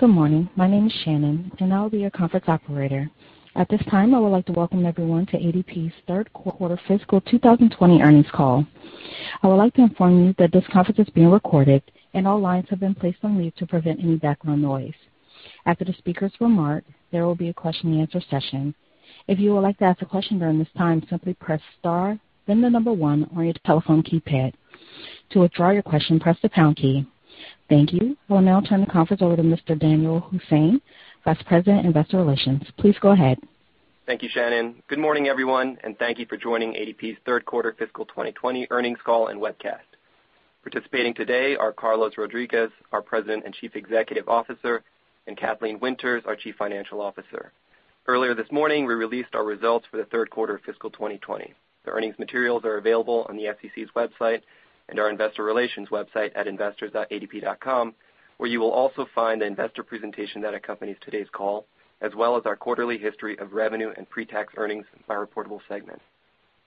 Good morning. My name is Shannon, and I will be your conference operator. At this time, I would like to welcome everyone to ADP's Third Quarter Fiscal 2020 Earnings Call. I would like to inform you that this conference is being recorded, and all lines have been placed on mute to prevent any background noise. After the speakers' remarks, there will be a question and answer session. If you would like to ask a question during this time, simply press star then the number one on your telephone keypad. To withdraw your question, press the pound key. Thank you. We'll now turn the conference over to Mr. Danyal Hussain, Vice President, Investor Relations. Please go ahead. Thank you, Shannon. Good morning, everyone, and thank you for joining ADP's third quarter fiscal 2020 earnings call and webcast. Participating today are Carlos Rodriguez, our President and Chief Executive Officer, and Kathleen Winters, our Chief Financial Officer. Earlier this morning, we released our results for the third quarter of fiscal 2020. The earnings materials are available on the SEC's website and our investor relations website at investors.adp.com, where you will also find the investor presentation that accompanies today's call, as well as our quarterly history of revenue and pre-tax earnings by reportable segment.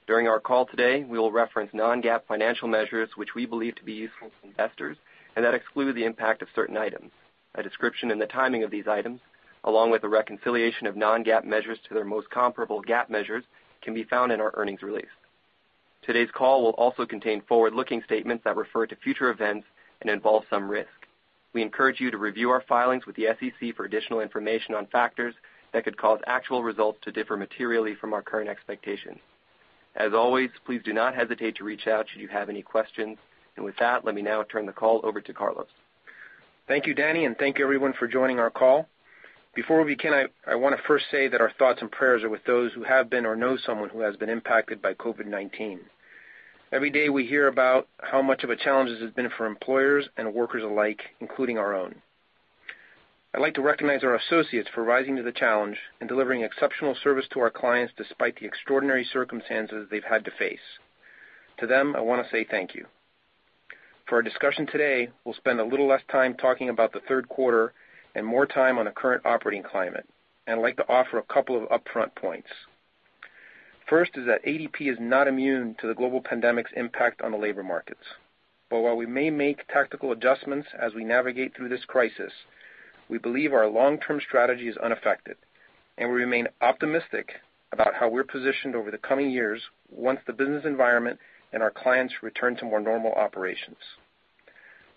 During our call today, we will reference non-GAAP financial measures which we believe to be useful to investors and that exclude the impact of certain items. A description and the timing of these items, along with a reconciliation of non-GAAP measures to their most comparable GAAP measures, can be found in our earnings release. Today's call will also contain forward-looking statements that refer to future events and involve some risk. We encourage you to review our filings with the SEC for additional information on factors that could cause actual results to differ materially from our current expectations. As always, please do not hesitate to reach out should you have any questions. With that, let me now turn the call over to Carlos Rodriguez. Thank you, Danyal Hussain, and thank you, everyone, for joining our call. Before we begin, I want to first say that our thoughts and prayers are with those who have been or know someone who has been impacted by COVID-19. Every day we hear about how much of a challenge this has been for employers and workers alike, including our own. I'd like to recognize our associates for rising to the challenge and delivering exceptional service to our clients despite the extraordinary circumstances they've had to face. To them, I want to say thank you. For our discussion today, we'll spend a little less time talking about the third quarter and more time on the current operating climate. I'd like to offer a couple of upfront points. First is that ADP is not immune to the global pandemic's impact on the labor markets. While we may make tactical adjustments as we navigate through this crisis, we believe our long-term strategy is unaffected, and we remain optimistic about how we're positioned over the coming years once the business environment and our clients return to more normal operations.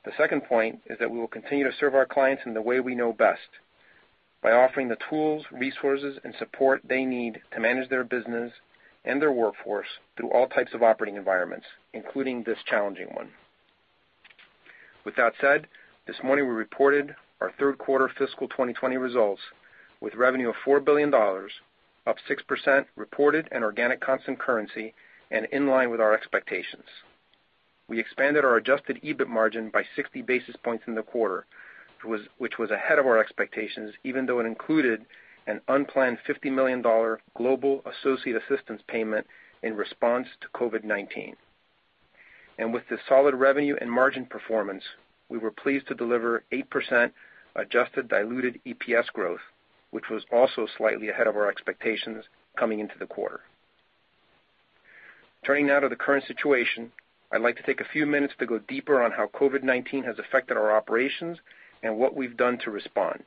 The second point is that we will continue to serve our clients in the way we know best, by offering the tools, resources, and support they need to manage their business and their workforce through all types of operating environments, including this challenging one. With that said, this morning we reported our third quarter fiscal 2020 results with revenue of $4 billion, up 6% reported and organic constant currency, and in line with our expectations. We expanded our Adjusted EBIT margin by 60 basis points in the quarter, which was ahead of our expectations, even though it included an unplanned $50 million global associate assistance payment in response to COVID-19. With the solid revenue and margin performance, we were pleased to deliver 8% adjusted diluted EPS growth, which was also slightly ahead of our expectations coming into the quarter. Turning now to the current situation, I'd like to take a few minutes to go deeper on how COVID-19 has affected our operations and what we've done to respond.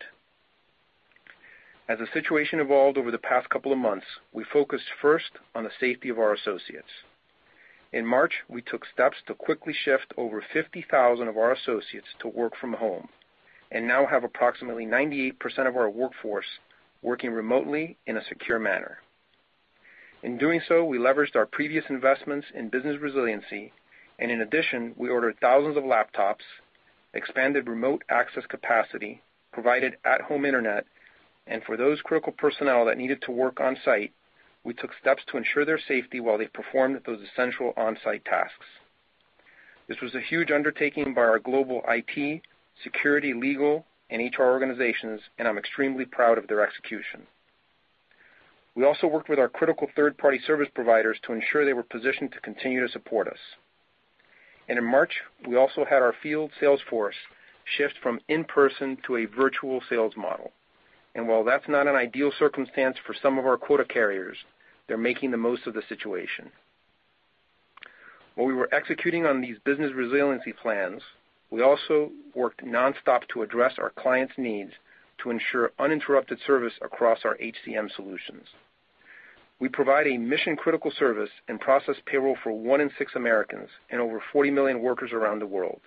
As the situation evolved over the past couple of months, we focused first on the safety of our associates. In March, we took steps to quickly shift over 50,000 of our associates to work from home and now have approximately 98% of our workforce working remotely in a secure manner. In doing so, we leveraged our previous investments in business resiliency, and in addition, we ordered thousands of laptops, expanded remote access capacity, provided at-home internet, and for those critical personnel that needed to work on-site, we took steps to ensure their safety while they performed those essential on-site tasks. This was a huge undertaking by our global IT, security, legal, and HR organizations, and I'm extremely proud of their execution. We also worked with our critical third-party service providers to ensure they were positioned to continue to support us. In March, we also had our field sales force shift from in-person to a virtual sales model. While that's not an ideal circumstance for some of our quota carriers, they're making the most of the situation. While we were executing on these business resiliency plans, we also worked nonstop to address our clients' needs to ensure uninterrupted service across our HCM solutions. We provide a mission-critical service and process payroll for one in six Americans and over 40 million workers around the world.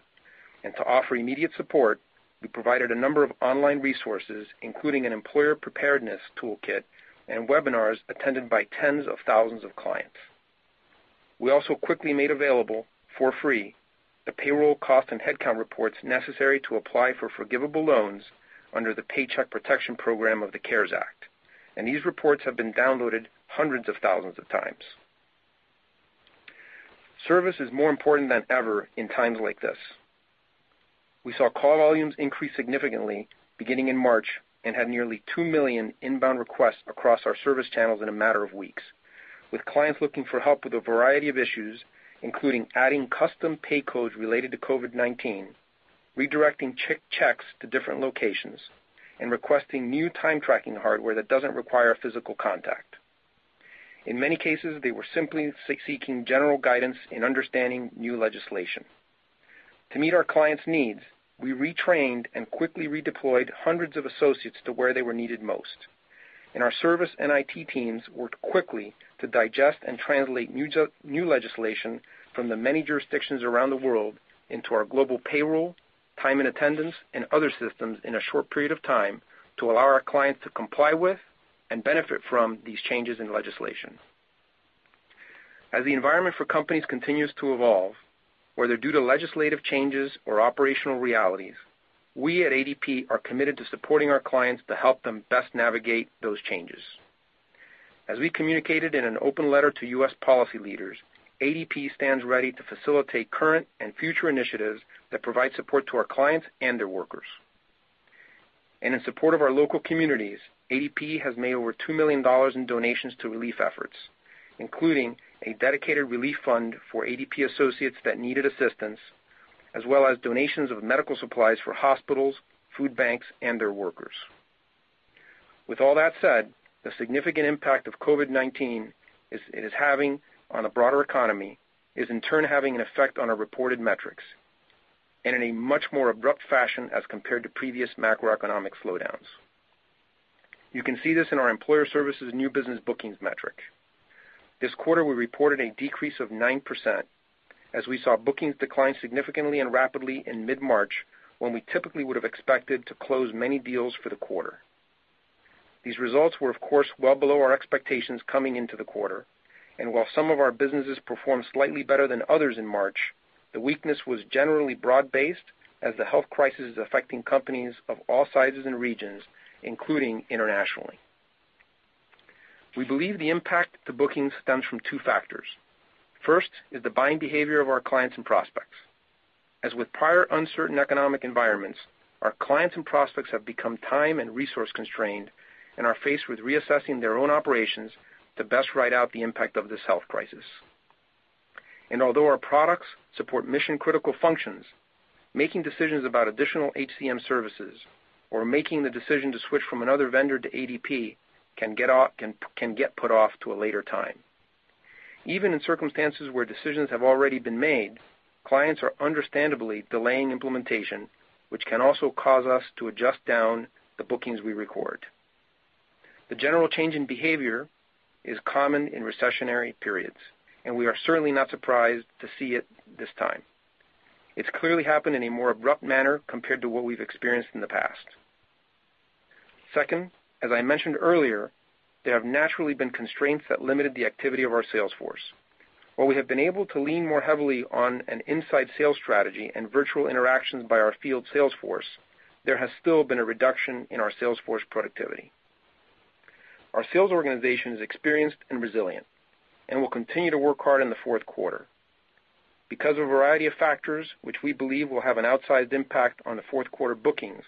To offer immediate support, we provided a number of online resources, including an employer preparedness toolkit and webinars attended by tens of thousands of clients. We also quickly made available, for free, the payroll cost and headcount reports necessary to apply for forgivable loans under the Paycheck Protection Program of the CARES Act. These reports have been downloaded hundreds of thousands of times. Service is more important than ever in times like this. We saw call volumes increase significantly beginning in March and had nearly 2 million inbound requests across our service channels in a matter of weeks, with clients looking for help with a variety of issues, including adding custom pay codes related to COVID-19, redirecting checks to different locations, and requesting new time tracking hardware that doesn't require physical contact. In many cases, they were simply seeking general guidance in understanding new legislation. To meet our clients' needs, we retrained and quickly redeployed hundreds of associates to where they were needed most, and our service and IT teams worked quickly to digest and translate new legislation from the many jurisdictions around the world into our global payroll, time and attendance, and other systems in a short period of time to allow our clients to comply with and benefit from these changes in legislation. As the environment for companies continues to evolve, whether due to legislative changes or operational realities, we at ADP are committed to supporting our clients to help them best navigate those changes. As we communicated in an open letter to U.S. policy leaders, ADP stands ready to facilitate current and future initiatives that provide support to our clients and their workers. In support of our local communities, ADP has made over $2 million in donations to relief efforts, including a dedicated relief fund for ADP associates that needed assistance, as well as donations of medical supplies for hospitals, food banks, and their workers. With all that said, the significant impact of COVID-19 it is having on the broader economy is in turn having an effect on our reported metrics, and in a much more abrupt fashion as compared to previous macroeconomic slowdowns. You can see this in our Employer Services new business bookings metric. This quarter, we reported a decrease of 9% as we saw bookings decline significantly and rapidly in mid-March, when we typically would have expected to close many deals for the quarter. These results were, of course, well below our expectations coming into the quarter. While some of our businesses performed slightly better than others in March, the weakness was generally broad-based as the health crisis is affecting companies of all sizes and regions, including internationally. We believe the impact to bookings stems from two factors. First is the buying behavior of our clients and prospects. As with prior uncertain economic environments, our clients and prospects have become time and resource-constrained and are faced with reassessing their own operations to best ride out the impact of this health crisis. Although our products support mission-critical functions, making decisions about additional HCM services or making the decision to switch from another vendor to ADP can get put off to a later time. Even in circumstances where decisions have already been made, clients are understandably delaying implementation, which can also cause us to adjust down the bookings we record. The general change in behavior is common in recessionary periods, and we are certainly not surprised to see it this time. It's clearly happened in a more abrupt manner compared to what we've experienced in the past. Second, as I mentioned earlier, there have naturally been constraints that limited the activity of our sales force. While we have been able to lean more heavily on an inside sales strategy and virtual interactions by our field sales force, there has still been a reduction in our sales force productivity. Our sales organization is experienced and resilient and will continue to work hard in the fourth quarter. Because of a variety of factors, which we believe will have an outsized impact on the fourth quarter bookings,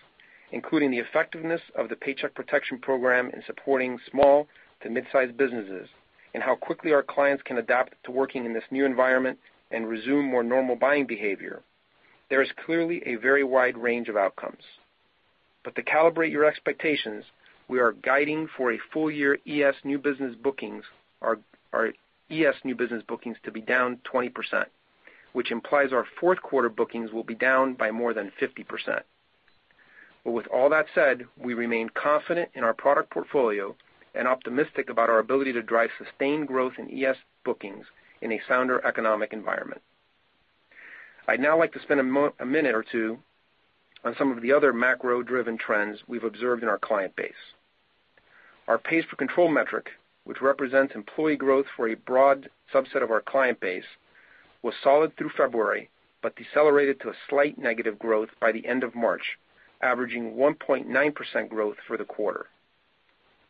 including the effectiveness of the Paycheck Protection Program in supporting small to mid-size businesses and how quickly our clients can adapt to working in this new environment and resume more normal buying behavior, there is clearly a very wide range of outcomes. To calibrate your expectations, we are guiding for a full-year ES new business bookings to be down 20%, which implies our fourth quarter bookings will be down by more than 50%. With all that said, we remain confident in our product portfolio and optimistic about our ability to drive sustained growth in ES bookings in a sounder economic environment. I'd now like to spend a minute or two on some of the other macro-driven trends we've observed in our client base. Our pays per control metric, which represents employee growth for a broad subset of our client base, was solid through February but decelerated to a slight negative growth by the end of March, averaging 1.9% growth for the quarter.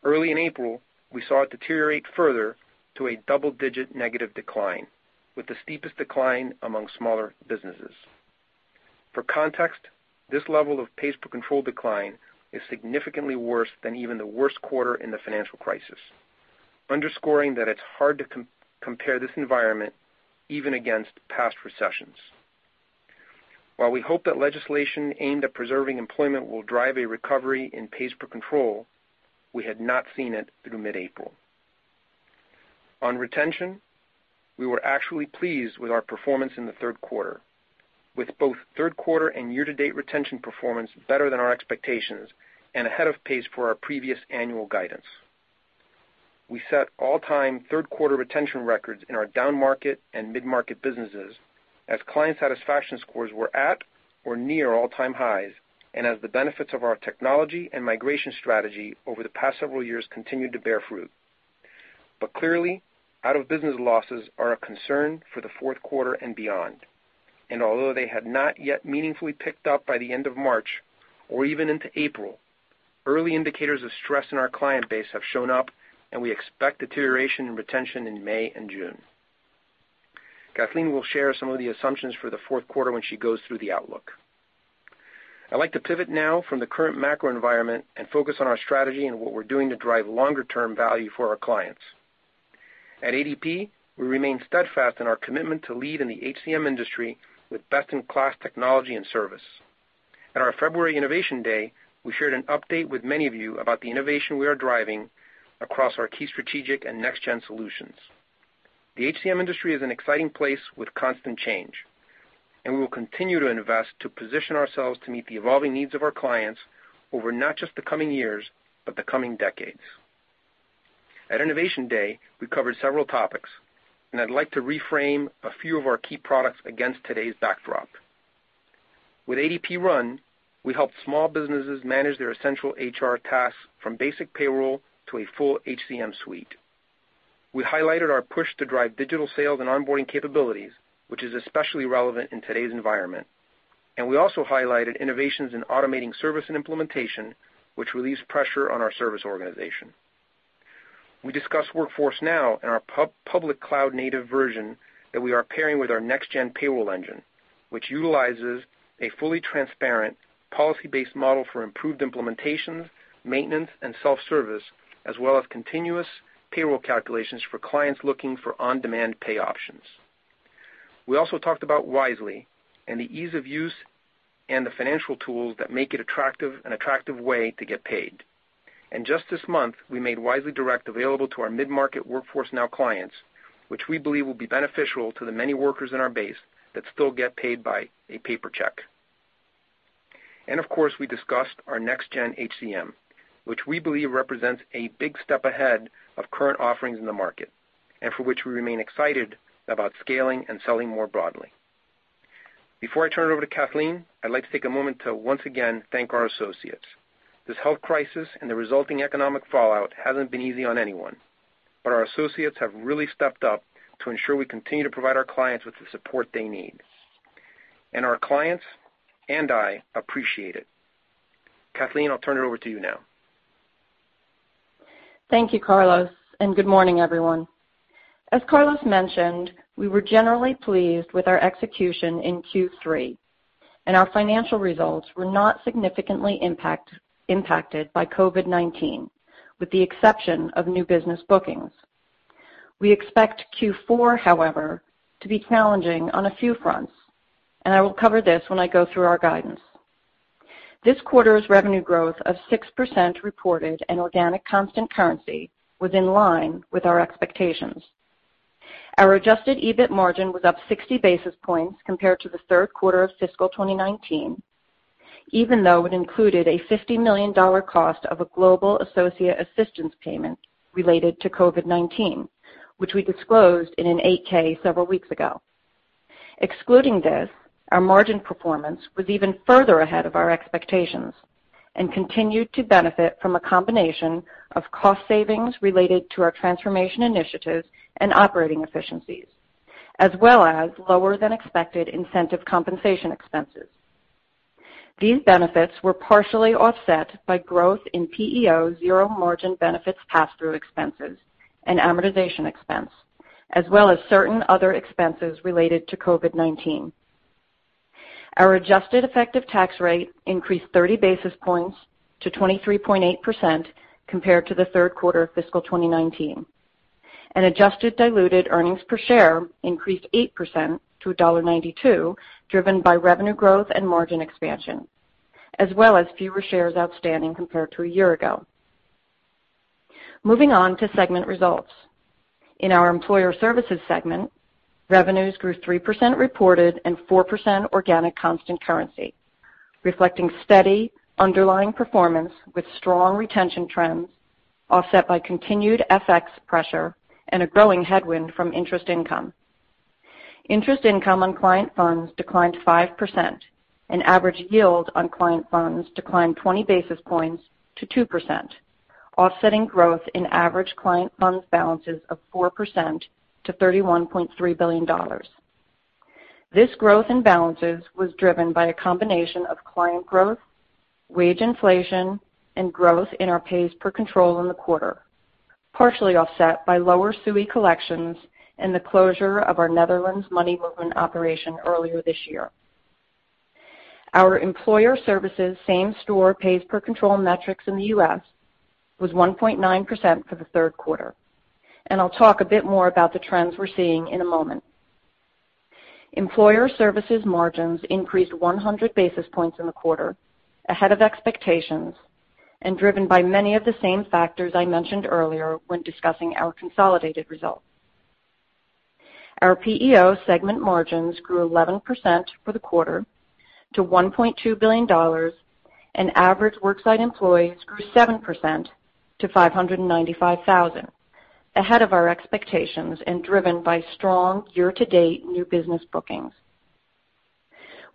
Early in April, we saw it deteriorate further to a double-digit negative decline, with the steepest decline among smaller businesses. For context, this level of pays per control decline is significantly worse than even the worst quarter in the financial crisis, underscoring that it's hard to compare this environment even against past recessions. While we hope that legislation aimed at preserving employment will drive a recovery in pays per control, we had not seen it through mid-April. On retention, we were actually pleased with our performance in the third quarter, with both third quarter and year-to-date retention performance better than our expectations and ahead of pace for our previous annual guidance. We set all-time third-quarter retention records in our down-market and mid-market businesses as client satisfaction scores were at or near all-time highs and as the benefits of our technology and migration strategy over the past several years continued to bear fruit. Clearly, out-of-business losses are a concern for the fourth quarter and beyond. Although they had not yet meaningfully picked up by the end of March or even into April, early indicators of stress in our client base have shown up, and we expect deterioration in retention in May and June. Kathleen Winters will share some of the assumptions for the fourth quarter when she goes through the outlook. I'd like to pivot now from the current macro environment and focus on our strategy and what we're doing to drive longer-term value for our clients. At ADP, we remain steadfast in our commitment to lead in the HCM industry with best-in-class technology and service. At our February Innovation Day, we shared an update with many of you about the innovation we are driving across our key strategic and next-gen solutions. The HCM industry is an exciting place with constant change, and we will continue to invest to position ourselves to meet the evolving needs of our clients over not just the coming years, but the coming decades. At Innovation Day, we covered several topics, and I'd like to reframe a few of our key products against today's backdrop. With ADP RUN, we help small businesses manage their essential HR tasks from basic payroll to a full HCM suite. We highlighted our push to drive digital sales and onboarding capabilities, which is especially relevant in today's environment. We also highlighted innovations in automating service and implementation, which relieves pressure on our service organization. We discussed Workforce Now and our public cloud-native version that we are pairing with our next-gen payroll engine, which utilizes a fully transparent policy-based model for improved implementations, maintenance, and self-service, as well as continuous payroll calculations for clients looking for on-demand pay options. We also talked about Wisely and the ease of use and the financial tools that make it an attractive way to get paid. Just this month, we made Wisely Direct available to our mid-market Workforce Now clients, which we believe will be beneficial to the many workers in our base that still get paid by a paper check. Of course, we discussed our Next Gen HCM, which we believe represents a big step ahead of current offerings in the market, and for which we remain excited about scaling and selling more broadly. Before I turn it over to Kathleen Winters, I'd like to take a moment to once again thank our associates. This health crisis and the resulting economic fallout hasn't been easy on anyone, but our associates have really stepped up to ensure we continue to provide our clients with the support they need. Our clients and I appreciate it. Kathleen Winters, I'll turn it over to you now. Thank you, Carlos Rodriguez, and good morning, everyone. As Carlos Rodriguez mentioned, we were generally pleased with our execution in Q3, and our financial results were not significantly impacted by COVID-19, with the exception of new business bookings. We expect Q4, however, to be challenging on a few fronts, and I will cover this when I go through our guidance. This quarter's revenue growth of 6% reported in organic constant currency was in line with our expectations. Our Adjusted EBIT margin was up 60 basis points compared to the third quarter of fiscal 2019, even though it included a $50 million cost of a global associate assistance payment related to COVID-19, which we disclosed in an 8-K several weeks ago. Excluding this, our margin performance was even further ahead of our expectations and continued to benefit from a combination of cost savings related to our transformation initiatives and operating efficiencies, as well as lower-than-expected incentive compensation expenses. These benefits were partially offset by growth in PEO zero-margin benefits pass-through expenses and amortization expense, as well as certain other expenses related to COVID-19. Our adjusted effective tax rate increased 30 basis points to 23.8% compared to the third quarter of fiscal 2019, and adjusted diluted earnings per share increased 8% to $1.92, driven by revenue growth and margin expansion, as well as fewer shares outstanding compared to a year ago. Moving on to segment results. In our Employer Services segment, revenues grew 3% reported and 4% organic constant currency, reflecting steady underlying performance with strong retention trends offset by continued FX pressure and a growing headwind from interest income. Interest income on client funds declined 5%, and average yield on client funds declined 20 basis points to 2%, offsetting growth in average client funds balances of 4% to $31.3 billion. This growth in balances was driven by a combination of client growth, wage inflation, and growth in our pays per control in the quarter, partially offset by lower SUI collections and the closure of our Netherlands money movement operation earlier this year. Our Employer Services same-store pays per control metrics in the U.S. was 1.9% for the third quarter. I'll talk a bit more about the trends we're seeing in a moment. Employer Services margins increased 100 basis points in the quarter, ahead of expectations and driven by many of the same factors I mentioned earlier when discussing our consolidated results. Our PEO segment revenues grew 11% for the quarter to $1.2 billion, and average worksite employees grew 7% to 595,000, ahead of our expectations and driven by strong year-to-date new business bookings.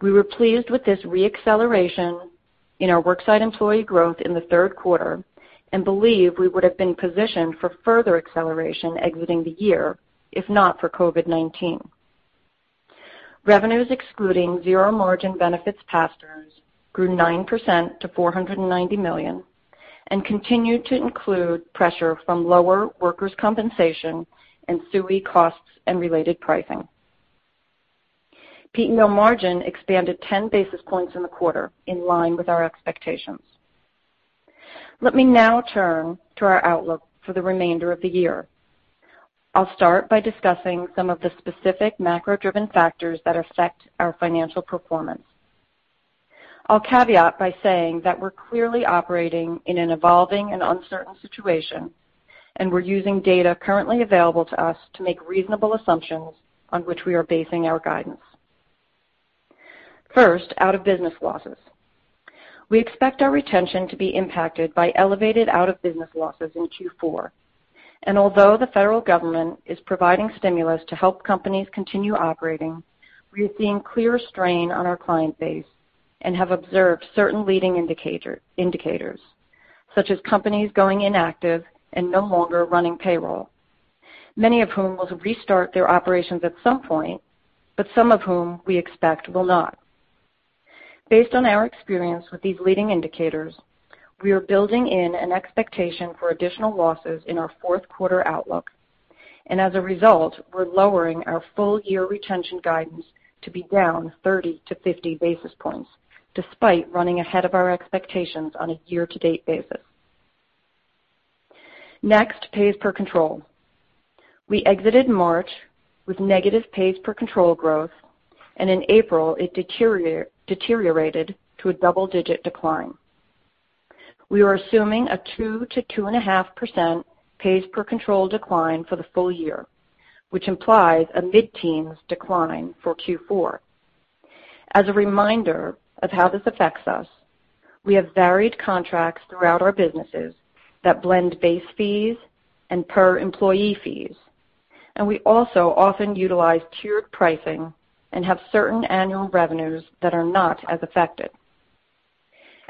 We were pleased with this re-acceleration in our worksite employee growth in the third quarter and believe we would have been positioned for further acceleration exiting the year if not for COVID-19. Revenues excluding zero-margin benefits pass-throughs grew 9% to $490 million and continued to include pressure from lower workers' compensation and SUI costs and related pricing. PEO margin expanded 10 basis points in the quarter, in line with our expectations. Let me now turn to our outlook for the remainder of the year. I'll start by discussing some of the specific macro-driven factors that affect our financial performance. I'll caveat by saying that we're clearly operating in an evolving and uncertain situation, and we're using data currently available to us to make reasonable assumptions on which we are basing our guidance. First, out-of-business losses. We expect our retention to be impacted by elevated out-of-business losses in Q4. Although the federal government is providing stimulus to help companies continue operating, we are seeing clear strain on our client base and have observed certain leading indicators, such as companies going inactive and no longer running payroll, many of whom will restart their operations at some point, but some of whom we expect will not. Based on our experience with these leading indicators, we are building in an expectation for additional losses in our fourth quarter outlook. As a result, we're lowering our full-year retention guidance to be down 30 to 50 basis points, despite running ahead of our expectations on a year-to-date basis. Next, pays per control. We exited March with negative pays per control growth, and in April, it deteriorated to a double-digit decline. We are assuming a 2% to 2.5% pays per control decline for the full year, which implies a mid-teens decline for Q4. As a reminder of how this affects us, we have varied contracts throughout our businesses that blend base fees and per employee fees, and we also often utilize tiered pricing and have certain annual revenues that are not as affected.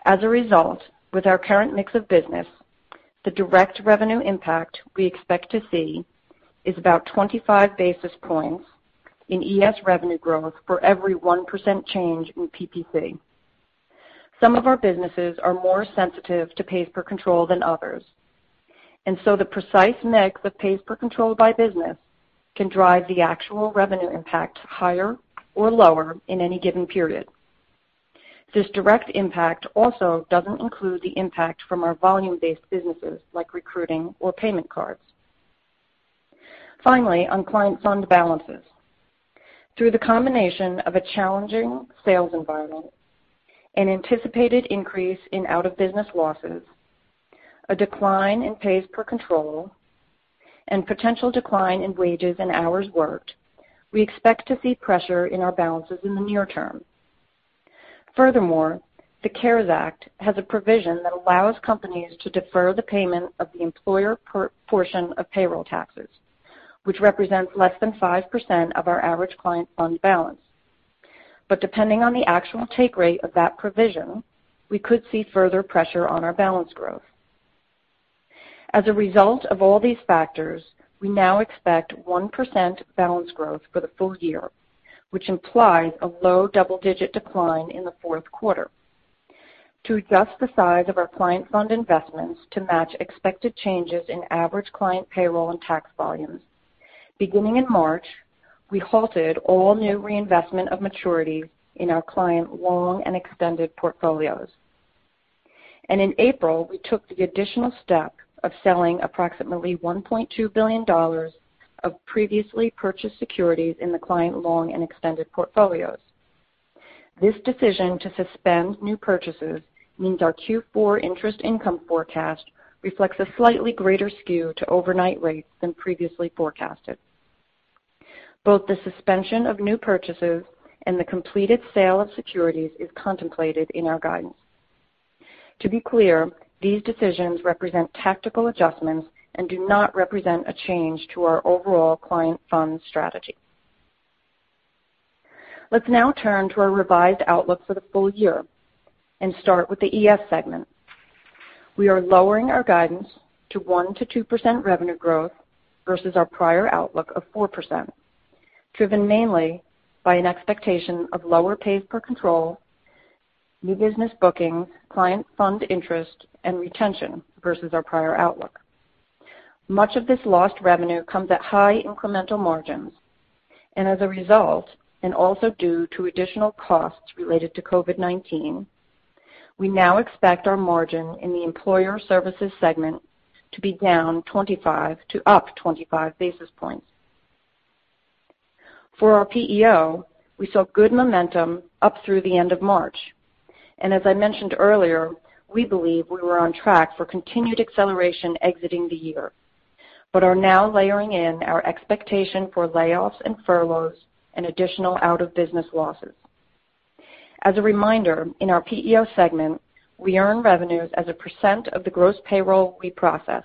As a result, with our current mix of business, the direct revenue impact we expect to see is about 25 basis points in ES revenue growth for every 1% change in PPC. Some of our businesses are more sensitive to pays per control than others, and so the precise mix of pays per control by business can drive the actual revenue impact higher or lower in any given period. This direct impact also doesn't include the impact from our volume-based businesses like recruiting or payment cards. Finally, on client fund balances. Through the combination of a challenging sales environment, an anticipated increase in out-of-business losses, a decline in pays per control, and potential decline in wages and hours worked, we expect to see pressure in our balances in the near term. Furthermore, the CARES Act has a provision that allows companies to defer the payment of the employer portion of payroll taxes, which represents less than 5% of our average client fund balance. Depending on the actual take rate of that provision, we could see further pressure on our balance growth. As a result of all these factors, we now expect 1% balance growth for the full year, which implies a low double-digit decline in the fourth quarter. To adjust the size of our client fund investments to match expected changes in average client payroll and tax volumes, beginning in March, we halted all new reinvestment of maturity in our client long and extended portfolios. In April, we took the additional step of selling approximately $1.2 billion of previously purchased securities in the client long and extended portfolios. This decision to suspend new purchases means our Q4 interest income forecast reflects a slightly greater skew to overnight rates than previously forecasted. Both the suspension of new purchases and the completed sale of securities is contemplated in our guidance. To be clear, these decisions represent tactical adjustments and do not represent a change to our overall client fund strategy. Let's now turn to our revised outlook for the full year and start with the ES segment. We are lowering our guidance to 1%-2% revenue growth versus our prior outlook of 4%, driven mainly by an expectation of lower pays per control, new business bookings, client fund interest, and retention versus our prior outlook. Much of this lost revenue comes at high incremental margins, and as a result, and also due to additional costs related to COVID-19, we now expect our margin in the Employer Services segment to be down 25 to up 25 basis points. For our PEO, we saw good momentum up through the end of March, and as I mentioned earlier, we believe we were on track for continued acceleration exiting the year, but are now layering in our expectation for layoffs and furloughs and additional out-of-business losses. As a reminder, in our PEO segment, we earn revenues as a percent of the gross payroll we process,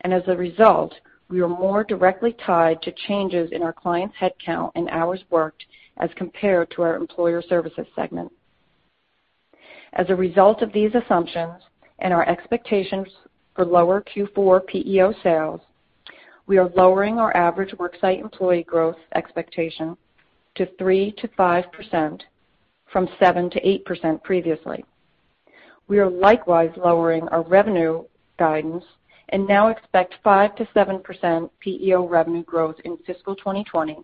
and as a result, we are more directly tied to changes in our clients' headcount and hours worked as compared to our Employer Services segment. As a result of these assumptions and our expectations for lower Q4 PEO sales, we are lowering our average worksite employee growth expectation to 3%-5% from 7%-8% previously. We are likewise lowering our revenue guidance and now expect 5%-7% PEO revenue growth in fiscal 2020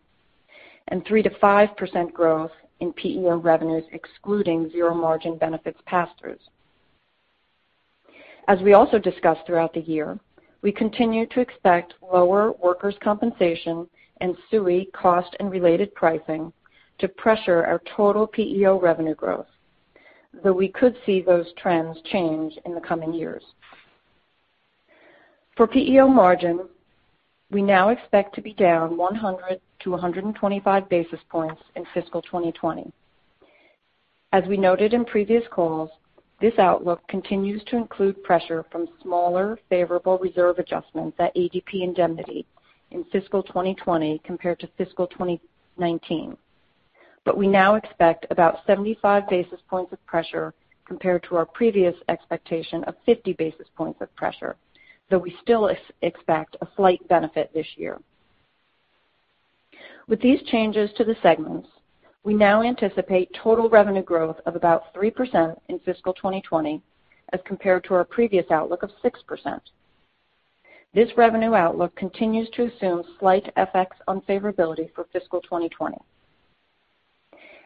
and 3%-5% growth in PEO revenues, excluding zero margin benefits pass-throughs. As we also discussed throughout the year, we continue to expect lower workers' compensation and SUI cost and related pricing to pressure our total PEO revenue growth, though we could see those trends change in the coming years. For PEO margin, we now expect to be down 100-125 basis points in fiscal 2020. As we noted in previous calls, this outlook continues to include pressure from smaller favorable reserve adjustments at ADP Indemnity in fiscal 2020 compared to fiscal 2019. We now expect about 75 basis points of pressure compared to our previous expectation of 50 basis points of pressure, though we still expect a slight benefit this year. With these changes to the segments, we now anticipate total revenue growth of about 3% in fiscal 2020 as compared to our previous outlook of 6%. This revenue outlook continues to assume slight FX unfavorability for fiscal 2020.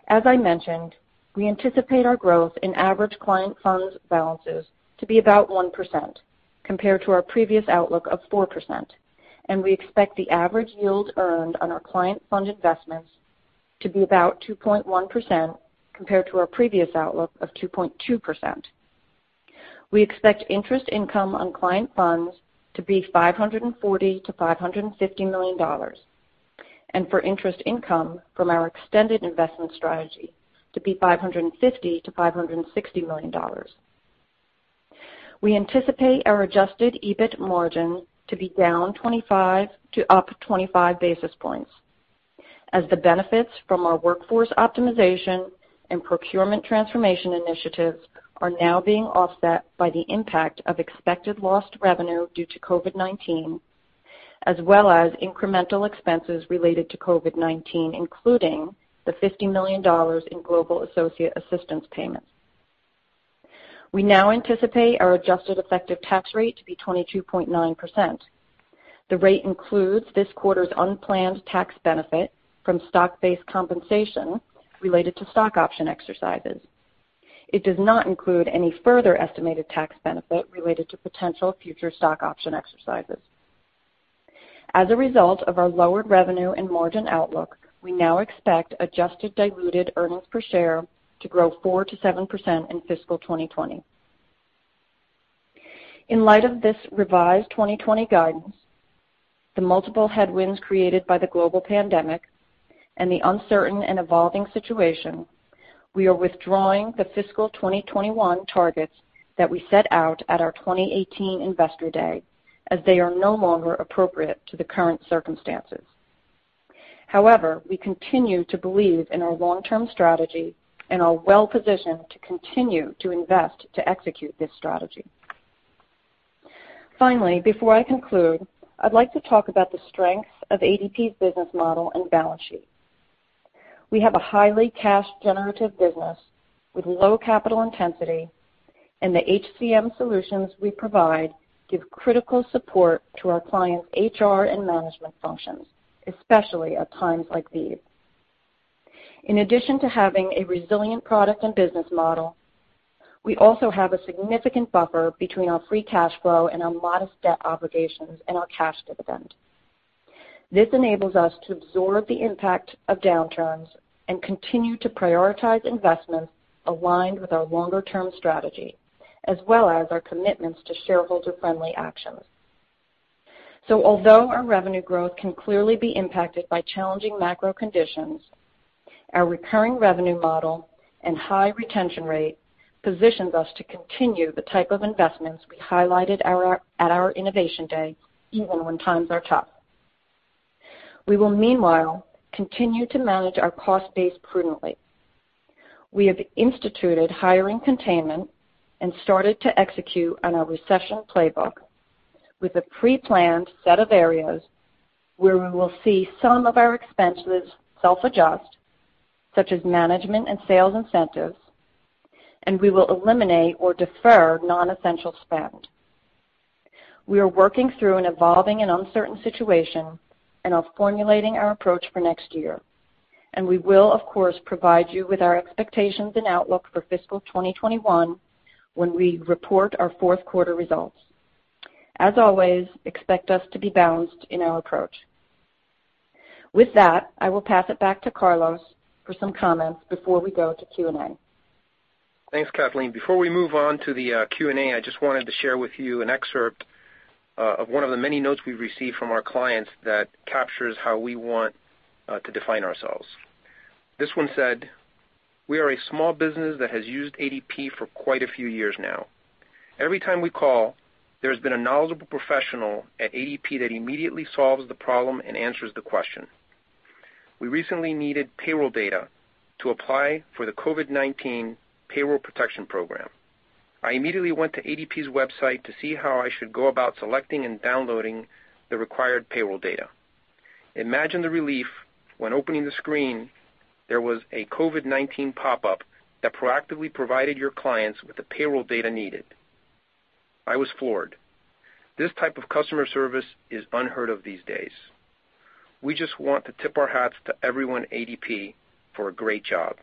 As I mentioned, we anticipate our growth in average client funds balances to be about 1%, compared to our previous outlook of 4%, and we expect the average yield earned on our client fund investments to be about 2.1%, compared to our previous outlook of 2.2%. We expect interest income on client funds to be $540 million-$550 million, and for interest income from our extended investment strategy to be $550 million-$560 million. We anticipate our Adjusted EBIT margin to be down 25 to up 25 basis points, as the benefits from our workforce optimization and procurement transformation initiatives are now being offset by the impact of expected lost revenue due to COVID-19, as well as incremental expenses related to COVID-19, including the $50 million in global associate assistance payments. We now anticipate our adjusted effective tax rate to be 22.9%. The rate includes this quarter's unplanned tax benefit from stock-based compensation related to stock option exercises. It does not include any further estimated tax benefit related to potential future stock option exercises. As a result of our lowered revenue and margin outlook, we now expect adjusted diluted earnings per share to grow 4% to 7% in fiscal 2020. In light of this revised 2020 guidance, the multiple headwinds created by the global pandemic, and the uncertain and evolving situation, we are withdrawing the fiscal 2021 targets that we set out at our 2018 Investor Day, as they are no longer appropriate to the current circumstances. However, we continue to believe in our long-term strategy and are well-positioned to continue to invest to execute this strategy. Finally, before I conclude, I'd like to talk about the strengths of ADP's business model and balance sheet. We have a highly cash-generative business with low capital intensity, and the HCM solutions we provide give critical support to our clients' HR and management functions, especially at times like these. In addition to having a resilient product and business model, we also have a significant buffer between our free cash flow and our modest debt obligations and our cash dividend. This enables us to absorb the impact of downturns and continue to prioritize investments aligned with our longer-term strategy, as well as our commitments to shareholder-friendly actions. Although our revenue growth can clearly be impacted by challenging macro conditions, our recurring revenue model and high retention rate positions us to continue the type of investments we highlighted at our Innovation Day, even when times are tough. We will, meanwhile, continue to manage our cost base prudently. We have instituted hiring containment and started to execute on our recession playbook with a preplanned set of areas where we will see some of our expenses self-adjust, such as management and sales incentives, and we will eliminate or defer non-essential spend. We are working through an evolving and uncertain situation and are formulating our approach for next year, and we will, of course, provide you with our expectations and outlook for fiscal 2021 when we report our fourth-quarter results. As always, expect us to be balanced in our approach. With that, I will pass it back to Carlos Rodriguez for some comments before we go to Q&A. Thanks, Kathleen Winters. Before we move on to the Q&A, I just wanted to share with you an excerpt of one of the many notes we've received from our clients that captures how we want to define ourselves. This one said, "We are a small business that has used ADP for quite a few years now. Every time we call, there's been a knowledgeable professional at ADP that immediately solves the problem and answers the question. We recently needed payroll data to apply for the COVID-19 Paycheck Protection Program. I immediately went to ADP's website to see how I should go about selecting and downloading the required payroll data. Imagine the relief when opening the screen, there was a COVID-19 pop-up that proactively provided your clients with the payroll data needed." I was floored. This type of customer service is unheard of these days. We just want to tip our hats to everyone at ADP for a great job.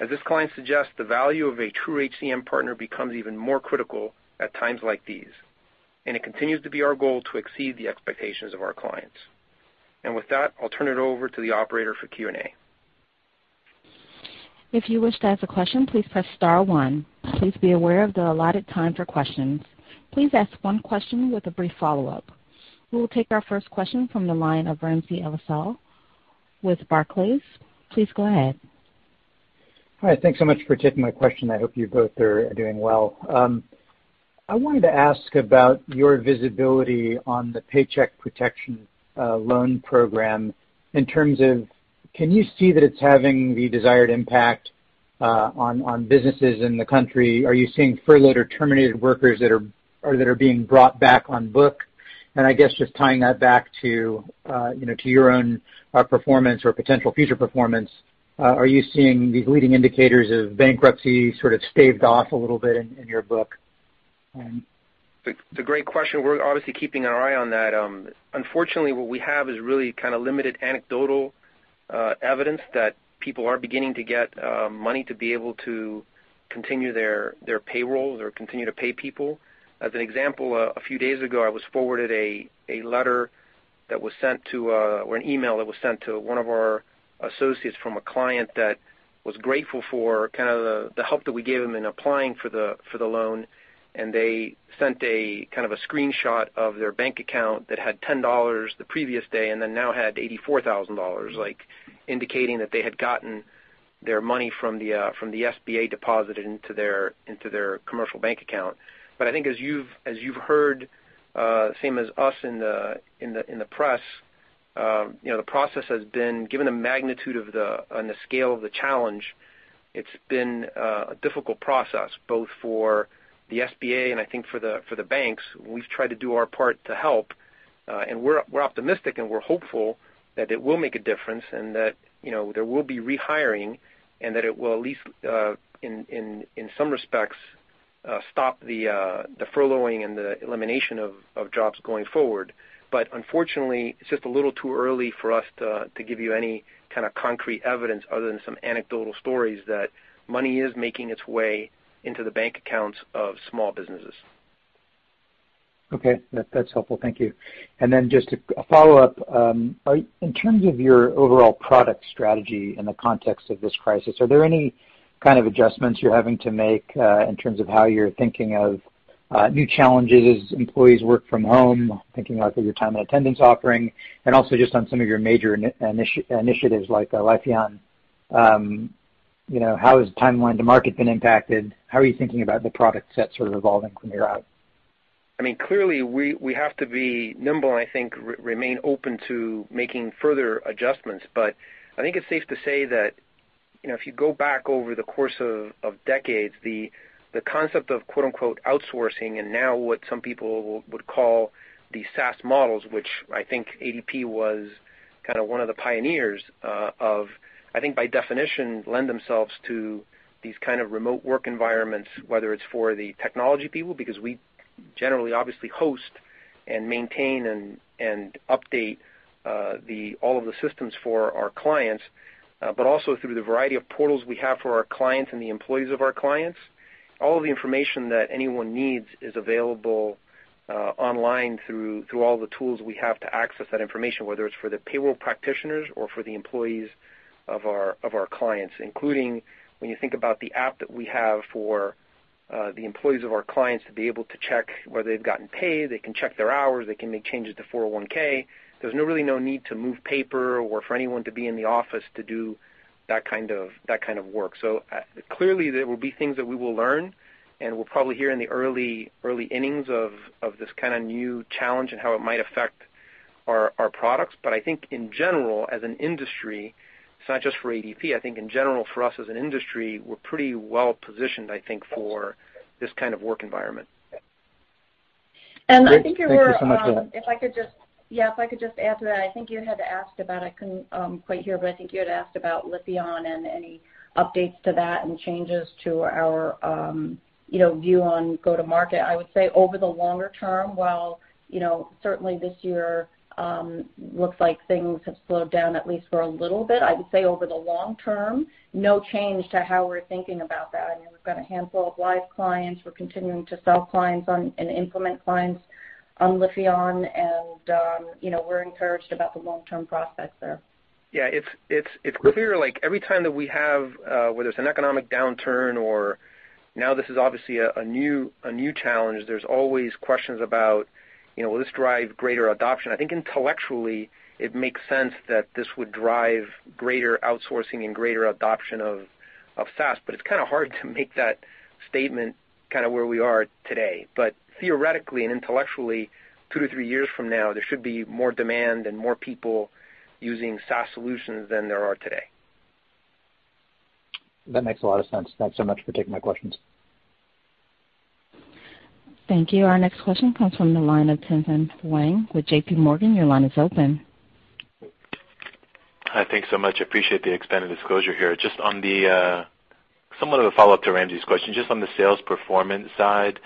As this client suggests, the value of a true HCM partner becomes even more critical at times like these, and it continues to be our goal to exceed the expectations of our clients. With that, I'll turn it over to the operator for Q&A. If you wish to ask a question, please press star one. Please be aware of the allotted time for questions. Please ask one question with a brief follow-up. We will take our first question from the line of Ramsey El-Assal with Barclays. Please go ahead. Hi. Thanks so much for taking my question. I hope you both are doing well. I wanted to ask about your visibility on the Paycheck Protection loan Program in terms of, can you see that it's having the desired impact on businesses in the country? Are you seeing furloughed or terminated workers that are being brought back on book? I guess just tying that back to your own performance or potential future performance, are you seeing these leading indicators of bankruptcy sort of staved off a little bit in your book? It's a great question. We're obviously keeping our eye on that. Unfortunately, what we have is really limited anecdotal evidence that people are beginning to get money to be able to continue their payrolls or continue to pay people. As an example, a few days ago, I was forwarded a letter that was sent to, or an email that was sent to one of our associates from a client that was grateful for kind of the help that we gave him in applying for the loan. They sent a kind of screenshot of their bank account that had $10 the previous day, and then now had $84,000 like, indicating that they had gotten their money from the SBA deposited into their commercial bank account. I think as you've heard, same as us in the press, the process has been, given the magnitude and the scale of the challenge, it's been a difficult process, both for the SBA and I think for the banks. We've tried to do our part to help, and we're optimistic, and we're hopeful that it will make a difference and that there will be re-hiring and that it will, at least in some respects, stop the furloughing and the elimination of jobs going forward. Unfortunately, it's just a little too early for us to give you any kind of concrete evidence other than some anecdotal stories that money is making its way into the bank accounts of small businesses. Okay. That's helpful. Thank you. Just a follow-up. In terms of your overall product strategy in the context of this crisis, are there any kind of adjustments you're having to make in terms of how you're thinking of new challenges, employees work from home, thinking about your time and attendance offering, and also just on some of your major initiatives like Lifion? How has timeline to market been impacted? How are you thinking about the product set sort of evolving from here out? Clearly, we have to be nimble and I think remain open to making further adjustments, but I think it's safe to say that if you go back over the course of decades, the concept of quote unquote, "outsourcing," and now what some people would call the SaaS models, which I think ADP was kind of one of the pioneers of, I think by definition, lend themselves to these kind of remote work environments, whether it's for the technology people, because we generally obviously host and maintain and update all of the systems for our clients, but also through the variety of portals we have for our clients and the employees of our clients. All of the information that anyone needs is available online through all the tools we have to access that information, whether it's for the payroll practitioners or for the employees of our clients, including when you think about the app that we have for the employees of our clients to be able to check whether they've gotten paid, they can check their hours, they can make changes to 401(k). There's really no need to move paper or for anyone to be in the office to do that kind of work. Clearly, there will be things that we will learn, and we'll probably hear in the early innings of this kind of new challenge and how it might affect our products. I think in general, as an industry, it's not just for ADP, I think in general for us as an industry, we're pretty well-positioned, I think, for this kind of work environment. Great. Thank you so much, gentlemen. If I could just add to that. I think you had asked about, I couldn't quite hear, but I think you had asked about Lifion and any updates to that and changes to our view on go to market. I would say over the longer term, while certainly this year looks like things have slowed down, at least for a little bit, I would say over the long term, no change to how we're thinking about that. We've got a handful of live clients. We're continuing to sell clients and implement clients on Lifion, and we're encouraged about the long-term process there. Yeah. It's clear, like every time that we have, whether it's an economic downturn or now this is obviously a new challenge, there's always questions about, will this drive greater adoption? I think intellectually, it makes sense that this would drive greater outsourcing and greater adoption of SaaS, but it's kind of hard to make that statement kind of where we are today, but theoretically and intellectually, two to three years from now, there should be more demand and more people using SaaS solutions than there are today. That makes a lot of sense. Thanks so much for taking my questions. Thank you. Our next question comes from the line of Tien-Tsin Huang with JPMorgan. Your line is open. Thanks so much. Appreciate the expanded disclosure here. Somewhat of a follow-up to Ramsey El-Assal's question, just on the sales performance side,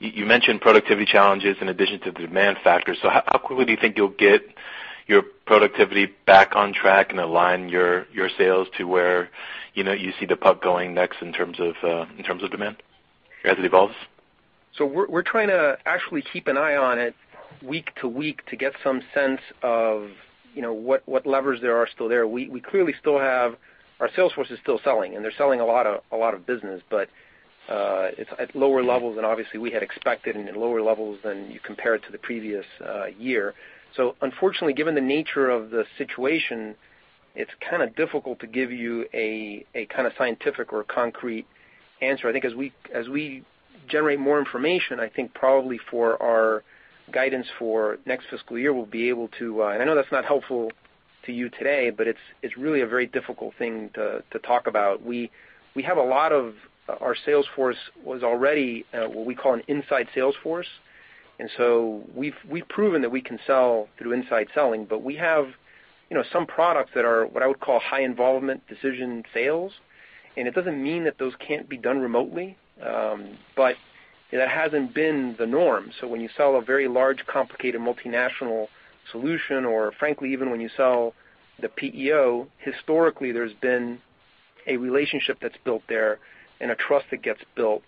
you mentioned productivity challenges in addition to the demand factors. How quickly do you think you'll get your productivity back on track and align your sales to where you see the puck going next in terms of demand as it evolves? We're trying to actually keep an eye on it week to week to get some sense of what levers there are still there. Our sales force is still selling, and they're selling a lot of business, but it's at lower levels than obviously we had expected and at lower levels than you compare it to the previous year. Unfortunately, given the nature of the situation, it's kind of difficult to give you a kind of scientific or concrete answer. I think as we generate more information, I think probably for our guidance for next fiscal year, we'll be able to. I know that's not helpful to you today, but it's really a very difficult thing to talk about. Our sales force was already what we call an inside sales force, we've proven that we can sell through inside selling, we have some products that are what I would call high involvement decision sales, it doesn't mean that those can't be done remotely, but that hasn't been the norm. When you sell a very large, complicated multinational solution, or frankly, even when you sell the PEO, historically, there's been a relationship that's built there and a trust that gets built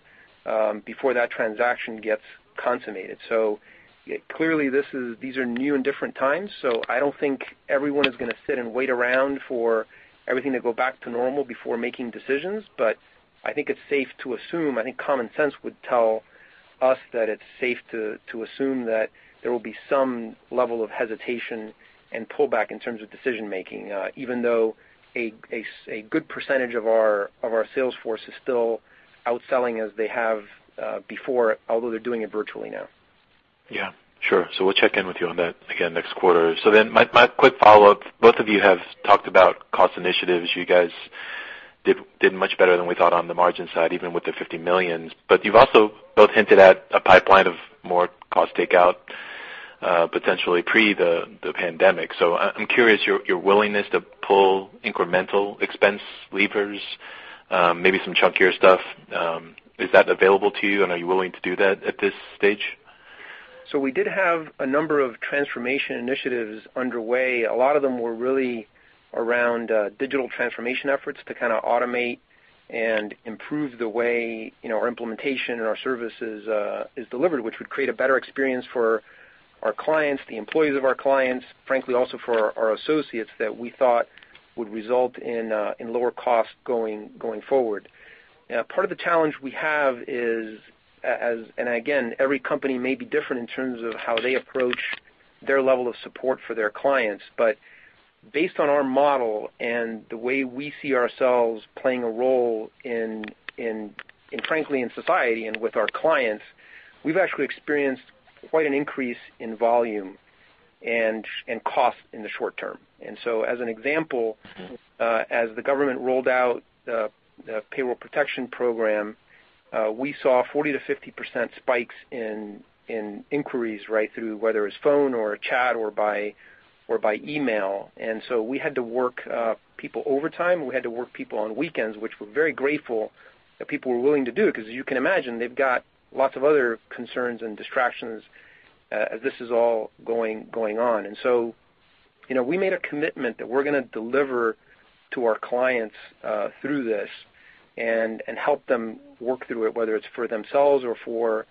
before that transaction gets consummated. Clearly these are new and different times, I don't think everyone is going to sit and wait around for everything to go back to normal before making decisions. I think common sense would tell us that it's safe to assume that there will be some level of hesitation and pullback in terms of decision-making, even though a good percentage of our sales force is still out selling as they have before, although they're doing it virtually now. Yeah, sure. We'll check in with you on that again next quarter. My quick follow-up, both of you have talked about cost initiatives. You guys did much better than we thought on the margin side, even with the $50 million. You've also both hinted at a pipeline of more cost takeout, potentially pre the pandemic. I'm curious your willingness to pull incremental expense levers, maybe some chunkier stuff. Is that available to you, and are you willing to do that at this stage? We did have a number of transformation initiatives underway. A lot of them were really around digital transformation efforts to kind of automate and improve the way, you know, our implementation and our service is delivered, which would create a better experience for our clients, the employees of our clients, frankly, also for our associates, that we thought would result in lower cost going forward. Part of the challenge we have is, again, every company may be different in terms of how they approach their level of support for their clients, but based on our model and the way we see ourselves playing a role frankly in society and with our clients, we've actually experienced quite an increase in volume and cost in the short term. As an example, as the government rolled out the Payroll Protection Program, we saw 40%-50% spikes in inquiries right through, whether it's phone or chat or by email. We had to work people overtime. We had to work people on weekends, which we're very grateful that people were willing to do, because as you can imagine, they've got lots of other concerns and distractions as this is all going on. We made a commitment that we're going to deliver to our clients through this and help them work through it, whether it's for themselves or for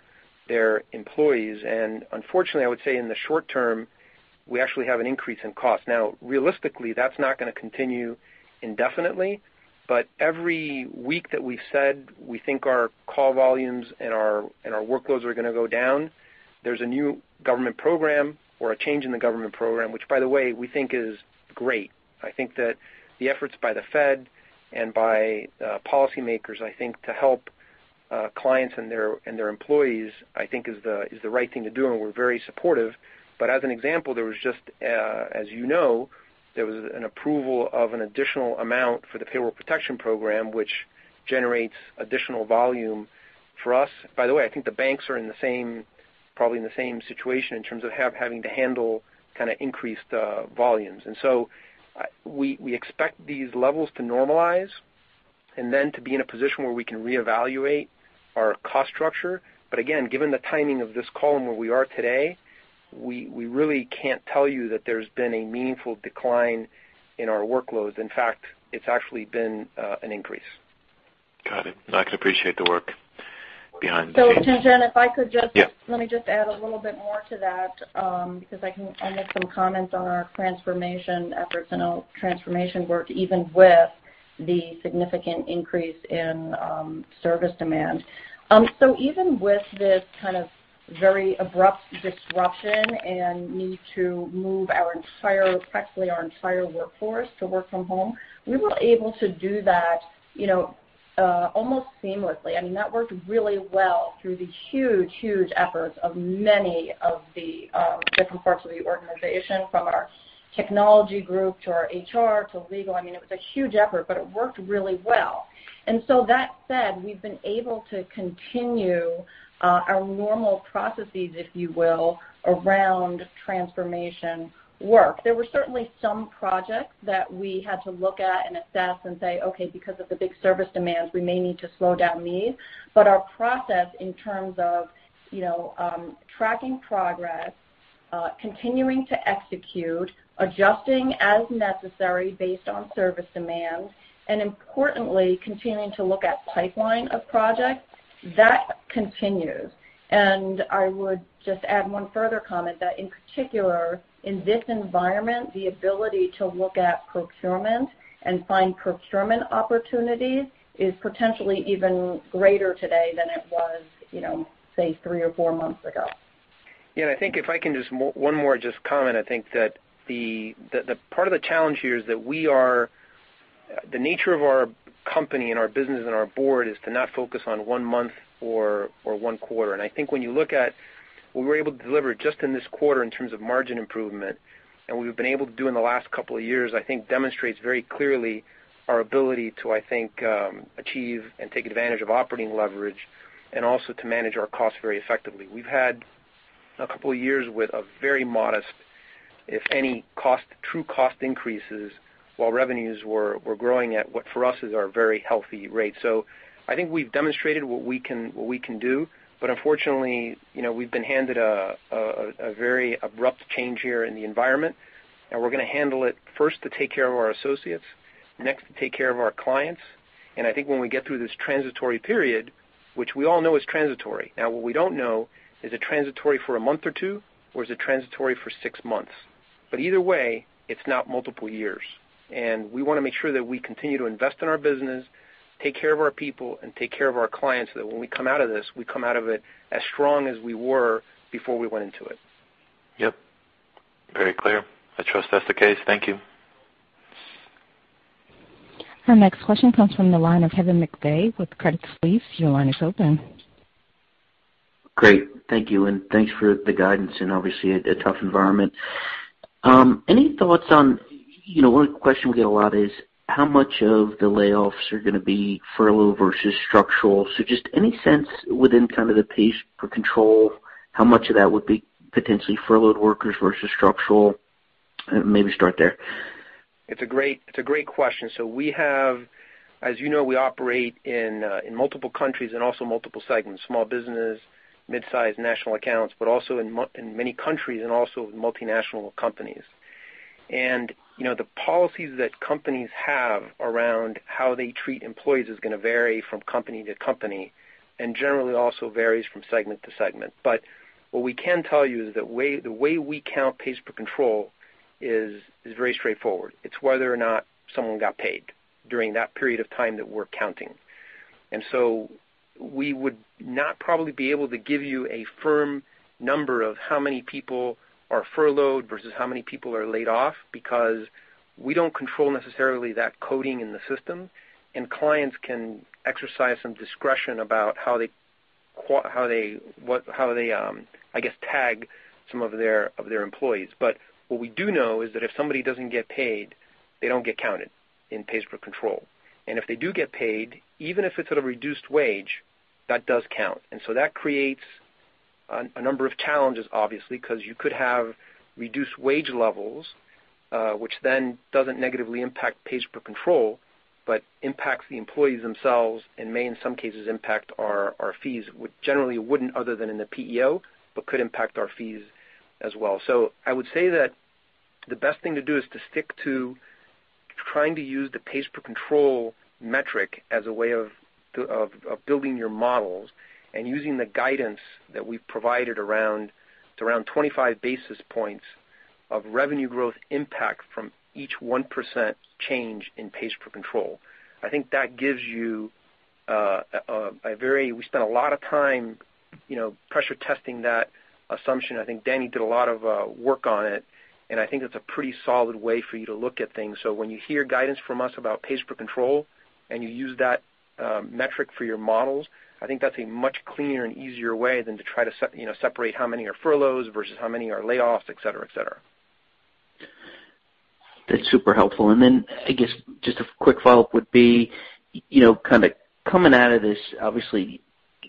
their employees. Unfortunately, I would say in the short term, we actually have an increase in cost. Now, realistically, that's not going to continue indefinitely. Every week that we've said we think our call volumes and our workloads are going to go down, there's a new government program or a change in the government program, which by the way, we think is great. I think that the efforts by the Fed and by policymakers, I think to help clients and their employees I think is the right thing to do, and we're very supportive. As an example, as you know, there was an approval of an additional amount for the Payroll Protection Program, which generates additional volume for us. By the way, I think the banks are probably in the same situation in terms of having to handle kind of increased volumes. We expect these levels to normalize and then to be in a position where we can reevaluate our cost structure. Again, given the timing of this call and where we are today, we really can't tell you that there's been a meaningful decline in our workloads. In fact, it's actually been an increase. Got it. I can appreciate the work behind the scenes. Tien-Tsin Huang, if I could just. Yeah. Let me just add a little bit more to that because I can make some comments on our transformation efforts and our transformation work, even with the significant increase in service demand. Even with this kind of very abrupt disruption and need to move practically our entire workforce to work from home, we were able to do that almost seamlessly. I mean, that worked really well through the huge efforts of many of the different parts of the organization, from our technology group to our HR to legal. I mean, it was a huge effort, but it worked really well. That said, we've been able to continue our normal processes, if you will, around transformation work. There were certainly some projects that we had to look at and assess and say, "Okay, because of the big service demands, we may need to slow down these." Our process in terms of tracking progress, continuing to execute, adjusting as necessary based on service demands, and importantly, continuing to look at pipeline of projects, that continues. I would just add one further comment that in particular, in this environment, the ability to look at procurement and find procurement opportunities is potentially even greater today than it was, say, three or four months ago. Yeah. I think if I can just one more comment. I think that the part of the challenge here is that the nature of our company and our business and our board is to not focus on one month or one quarter. I think when you look at what we were able to deliver just in this quarter in terms of margin improvement and what we've been able to do in the last couple of years, I think demonstrates very clearly our ability to I think achieve and take advantage of operating leverage and also to manage our costs very effectively. We've had a couple of years with a very modest, if any, true cost increases while revenues were growing at what, for us, is our very healthy rate. I think we've demonstrated what we can do. Unfortunately, we've been handed a very abrupt change here in the environment, and we're going to handle it first to take care of our associates, next to take care of our clients. I think when we get through this transitory period, which we all know is transitory. What we don't know, is it transitory for a month or two, or is it transitory for six months? Either way, it's not multiple years. We want to make sure that we continue to invest in our business, take care of our people, and take care of our clients, that when we come out of this, we come out of it as strong as we were before we went into it. Yep. Very clear. I trust that's the case. Thank you. Our next question comes from the line of Kevin McVeigh with Credit Suisse. Your line is open. Great. Thank you, and thanks for the guidance in obviously a tough environment. One question we get a lot is how much of the layoffs are going to be furlough versus structural? Just any sense within kind of the pays per control, how much of that would be potentially furloughed workers versus structural? Maybe start there. It's a great question. As you know, we operate in multiple countries and also multiple segments, small business, mid-size national accounts, but also in many countries and also multinational companies. The policies that companies have around how they treat employees is going to vary from company to company, and generally also varies from segment to segment. What we can tell you is the way we count pays per control is very straightforward. It's whether or not someone got paid during that period of time that we're counting. We would not probably be able to give you a firm number of how many people are furloughed versus how many people are laid off, because we don't control necessarily that coding in the system, and clients can exercise some discretion about how they tag some of their employees. What we do know is that if somebody doesn't get paid, they don't get counted in pays per control. If they do get paid, even if it's at a reduced wage, that does count. That creates a number of challenges, obviously, because you could have reduced wage levels, which then doesn't negatively impact pays per control, but impacts the employees themselves and may, in some cases, impact our fees, which generally wouldn't other than in the PEO, but could impact our fees as well. I would say that the best thing to do is to stick to trying to use the pays per control metric as a way of building your models and using the guidance that we've provided to around 25 basis points of revenue growth impact from each 1% change in pays per control. I think that give you -- we spent a lot of time pressure testing that assumption. I think Danyal Hussain did a lot of work on it, and I think it's a pretty solid way for you to look at things. When you hear guidance from us about pays per control and you use that metric for your models, I think that's a much cleaner and easier way than to try to separate how many are furloughs versus how many are layoffs, etcetera. That's super helpful. I guess just a quick follow-up would be, coming out of this, obviously,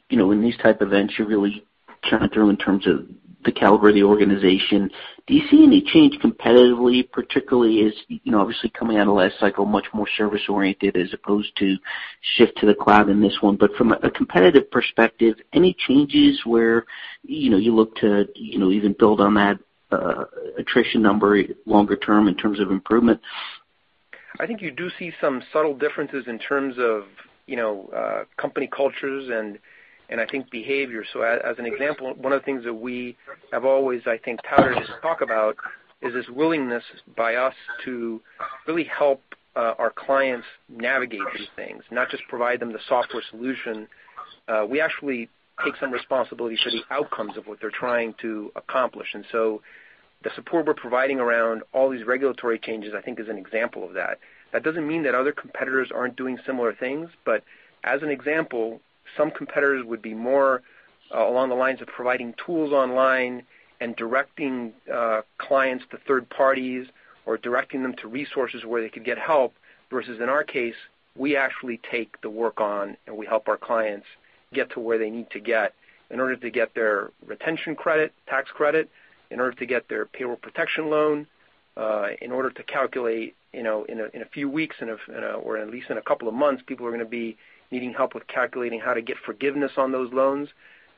in these type of events, you're really counting through in terms of the caliber of the organization. Do you see any change competitively, particularly as obviously coming out of last cycle, much more service-oriented as opposed to shift to the cloud in this one, but from a competitive perspective, any changes where you look to even build on that attrition number longer term in terms of improvement? I think you do see some subtle differences in terms of company cultures and I think behavior. As an example, one of the things that we have always, I think, touted and talk about is this willingness by us to really help our clients navigate these things, not just provide them the software solution. We actually take some responsibility for the outcomes of what they're trying to accomplish. The support we're providing around all these regulatory changes, I think, is an example of that. That doesn't mean that other competitors aren't doing similar things, but as an example, some competitors would be more along the lines of providing tools online and directing clients to third parties or directing them to resources where they could get help, versus in our case, we actually take the work on and we help our clients get to where they need to get in order to get their retention credit, tax credit, in order to get their Payroll Protection Program loan. In order to calculate in a few weeks or at least in a couple of months, people are going to be needing help with calculating how to get forgiveness on those loans.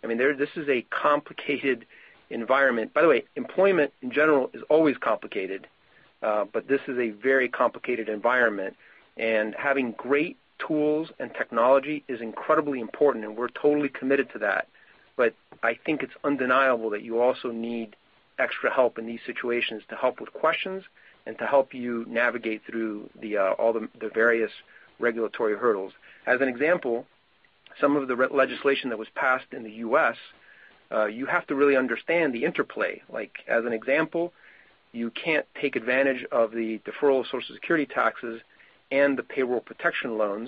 This is a complicated environment. By the way, employment, in general, is always complicated, but this is a very complicated environment, and having great tools and technology is incredibly important, and we're totally committed to that. I think it's undeniable that you also need extra help in these situations to help with questions and to help you navigate through all the various regulatory hurdles. As an example, some of the legislation that was passed in the U.S., you have to really understand the interplay. As an example, you can't take advantage of the deferral of Social Security taxes and the Payroll Protection Program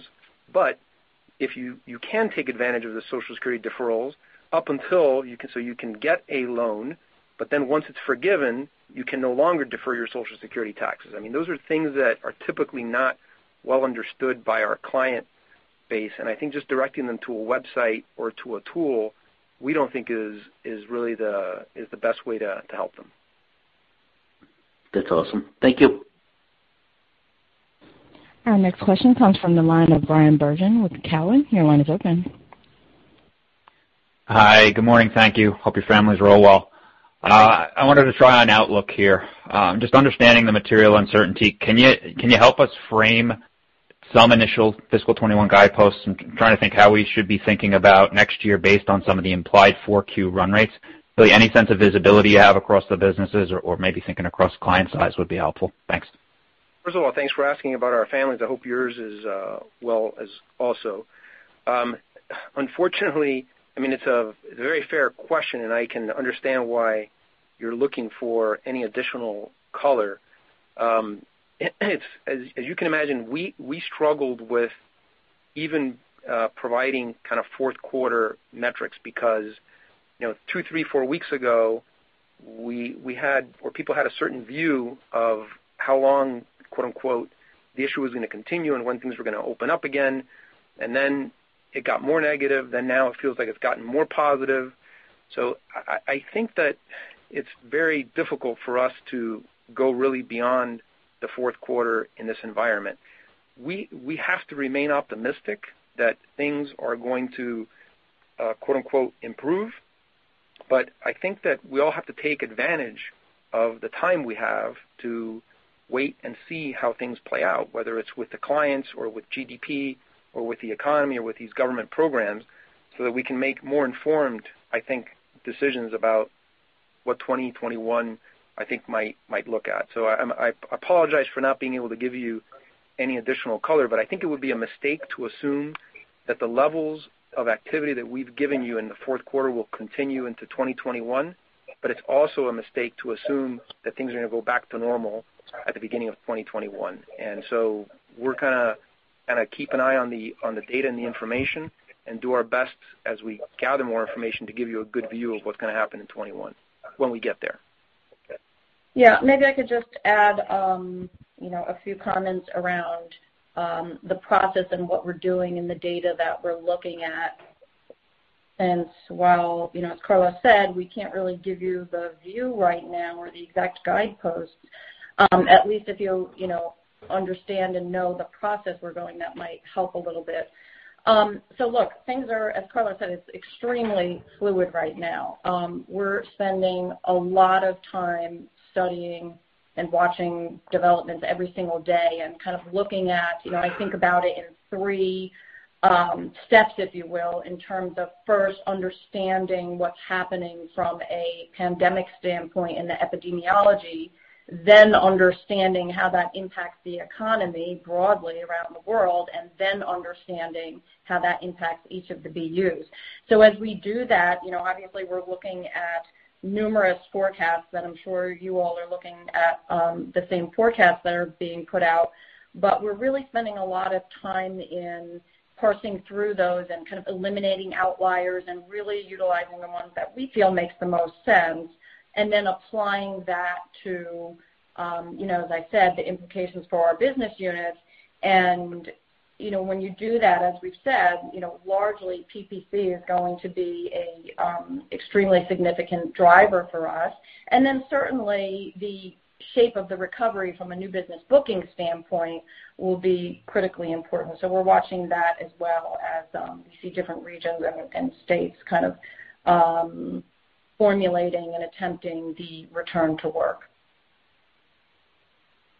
loans. You can take advantage of the Social Security deferrals up until you can get a loan, but then once it's forgiven, you can no longer defer your Social Security taxes. Those are things that are typically not well understood by our client base, and I think just directing them to a website or to a tool, we don't think is the best way to help them. That's awesome. Thank you. Our next question comes from the line of Bryan Bergin with Cowen. Your line is open. Hi. Good morning, thank you. Hope your family's well. I wanted to try on outlook here. Just understanding the material uncertainty, can you help us frame some initial fiscal 2021 guideposts? I'm trying to think how we should be thinking about next year based on some of the implied 4Q run rates. Really any sense of visibility you have across the businesses or maybe thinking across client size would be helpful. Thanks. First of all, thanks for asking about our families. I hope yours is well also. Unfortunately, it's a very fair question, and I can understand why you're looking for any additional color. As you can imagine, we struggled with even providing fourth quarter metrics because two, three, four weeks ago, people had a certain view of "how long," the issue was going to continue and when things were going to open up again. Then, it got more negative, then now it feels like it's gotten more positive. I think that it's very difficult for us to go really beyond the fourth quarter in this environment. We have to remain optimistic that things are going to, "improve." I think that we all have to take advantage of the time we have to wait and see how things play out, whether it's with the clients or with GDP or with the economy or with these government programs, so that we can make more informed I think decisions about what 2021 might look at. I apologize for not being able to give you any additional color, but I think it would be a mistake to assume that the levels of activity that we've given you in the fourth quarter will continue into 2021. It's also a mistake to assume that things are going to go back to normal at the beginning of 2021. We're going to keep an eye on the data and the information and do our best as we gather more information to give you a good view of what's going to happen in 2021 when we get there. Okay. Maybe I could just add a few comments around the process and what we're doing and the data that we're looking at. While, as Carlos said, we can't really give you the view right now or the exact guideposts, at least if you understand and know the process we're going, that might help a little bit. Look, things are, as Carlos Rodriguez said, extremely fluid right now. We're spending a lot of time studying and watching developments every single day and kind of looking at -- I think about it in three steps, if you will, in terms of first understanding what's happening from a pandemic standpoint and the epidemiology, then understanding how that impacts the economy broadly around the world, and then understanding how that impacts each of the BUs. As we do that, obviously we're looking at numerous forecasts that I'm sure you all are looking at the same forecasts that are being put out, but we're really spending a lot of time in parsing through those and eliminating outliers and really utilizing the ones that we feel makes the most sense, and then applying that to, as I said, the implications for our business units. When you do that, as we've said, largely PPC is going to be an extremely significant driver for us. Certainly the shape of the recovery from a new business booking standpoint will be critically important. We're watching that as well as we see different regions and states formulating and attempting the return to work.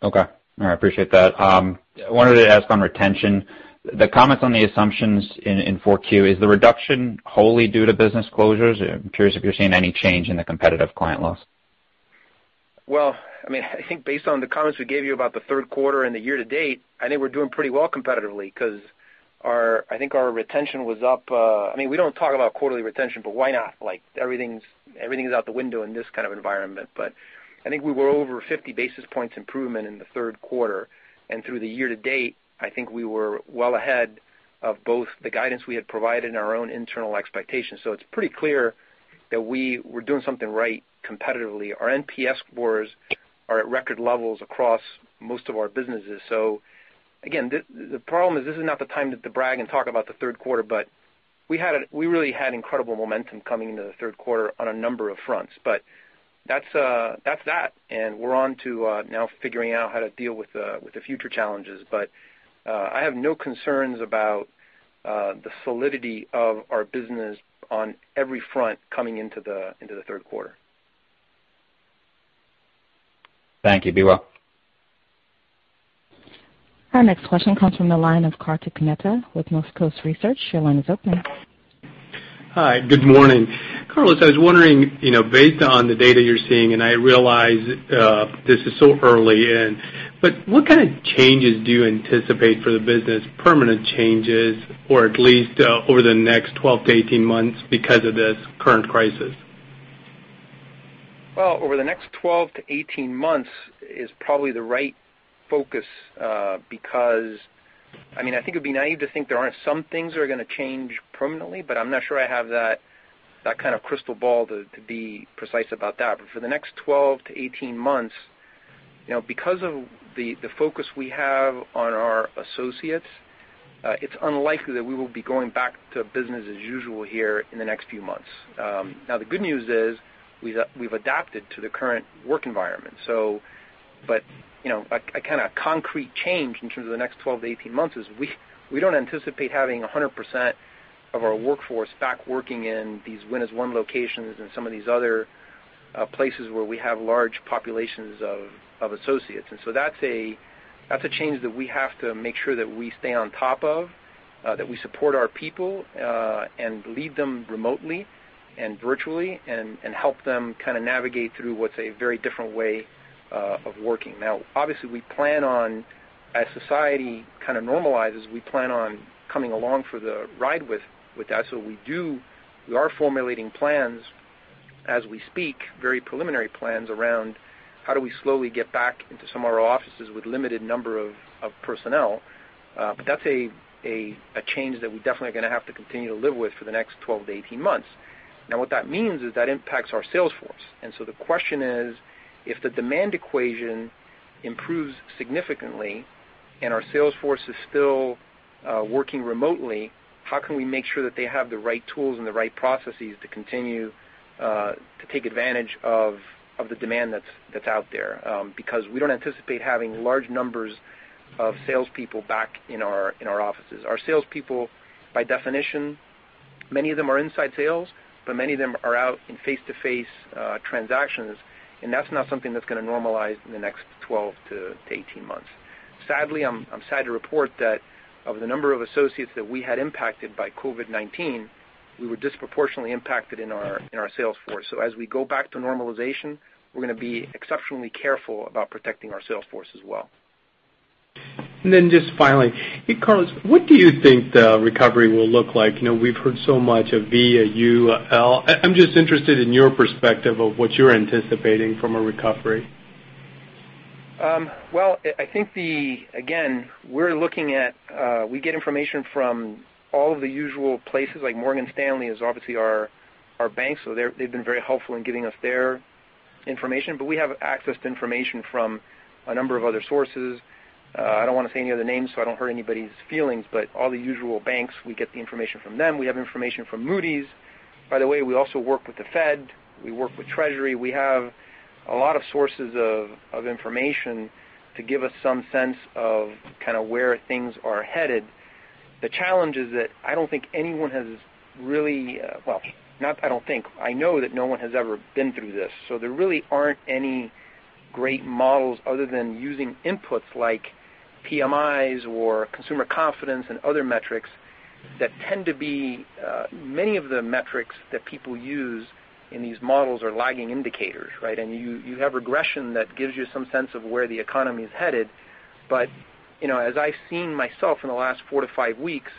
Okay. All right. Appreciate that. I wanted to ask on retention. The comments on the assumptions in 4Q, is the reduction wholly due to business closures? I'm curious if you're seeing any change in the competitive client loss. Well, I think based on the comments we gave you about the third quarter and the year to date, I think we're doing pretty well competitively because I think our retention was up. We don't talk about quarterly retention. Why not? Everything's out the window in this kind of environment. I think we were over 50 basis points improvement in the third quarter. Through the year-to-date, I think we were well ahead of both the guidance we had provided and our own internal expectations. It's pretty clear that we were doing something right competitively. Our NPS scores are at record levels across most of our businesses. Again, the problem is this is not the time to brag and talk about the third quarter. We really had incredible momentum coming into the third quarter on a number of fronts. That's that, and we're on to now figuring out how to deal with the future challenges, but I have no concerns about the solidity of our business on every front coming into the third quarter. Thank you. Be well. Our next question comes from the line of Kartik Mehta with Northcoast Research. Your line is open. Hi, good morning. Carlos Rodriguez, I was wondering, based on the data you're seeing, and I realize this is so early in, but what kind of changes do you anticipate for the business, permanent changes, or at least over the next 12 to 18 months because of this current crisis? Well, over the next 12 to 18 months is probably the right focus, because I think it'd be naive to think there aren't some things that are going to change permanently, but I'm not sure I have that kind of crystal ball to be precise about that. For the next 12 to 18 months, because of the focus we have on our associates, it's unlikely that we will be going back to business as usual here in the next few months. Now, the good news is we've adapted to the current work environment. A kind of concrete change in terms of the next 12 to 18 months is we don't anticipate having 100% of our workforce back working in these Win As One locations and some of these other places where we have large populations of associates. That's a change that we have to make sure that we stay on top of, that we support our people, and lead them remotely and virtually and help them navigate through what's a very different way of working. Obviously, as society kind of normalizes, we plan on coming along for the ride with that. We are formulating plans as we speak, very preliminary plans, around how do we slowly get back into some of our offices with limited number of personnel. That's a change that we're definitely going to have to continue to live with for the next 12 to 18 months. What that means is that impacts our sales force. The question is, if the demand equation improves significantly and our sales force is still working remotely, how can we make sure that they have the right tools and the right processes to continue to take advantage of the demand that's out there? Because we don't anticipate having large numbers of salespeople back in our offices. Our salespeople, by definition, many of them are inside sales, but many of them are out in face-to-face transactions, and that's not something that's going to normalize in the next 12 to 18 months. Sadly, I'm sad to report that of the number of associates that we had impacted by COVID-19, we were disproportionately impacted in our sales force. As we go back to normalization, we're going to be exceptionally careful about protecting our sales force as well. Just finally, hey, Carlos Rodriguez, what do you think the recovery will look like? We've heard so much, a V, a U, a L. I'm just interested in your perspective of what you're anticipating from a recovery. Well, I think, again, we get information from all of the usual places. Like Morgan Stanley is obviously our bank, so they've been very helpful in giving us their information, but we have access to information from a number of other sources. I don't want to say any other names so I don't hurt anybody's feelings, but all the usual banks, we get the information from them. We have information from Moody's. By the way, we also work with the Fed. We work with Treasury. We have a lot of sources of information to give us some sense of kind of where things are headed. The challenge is that I don't think anyone has really. Well, not I don't think. I know that no one has ever been through this, so there really aren't any great models other than using inputs like PMIs or consumer confidence and other metrics that tend to be -- many of the metrics that people use in these models are lagging indicators, right? You have regression that gives you some sense of where the economy is headed, but as I've seen myself in the last four to five weeks,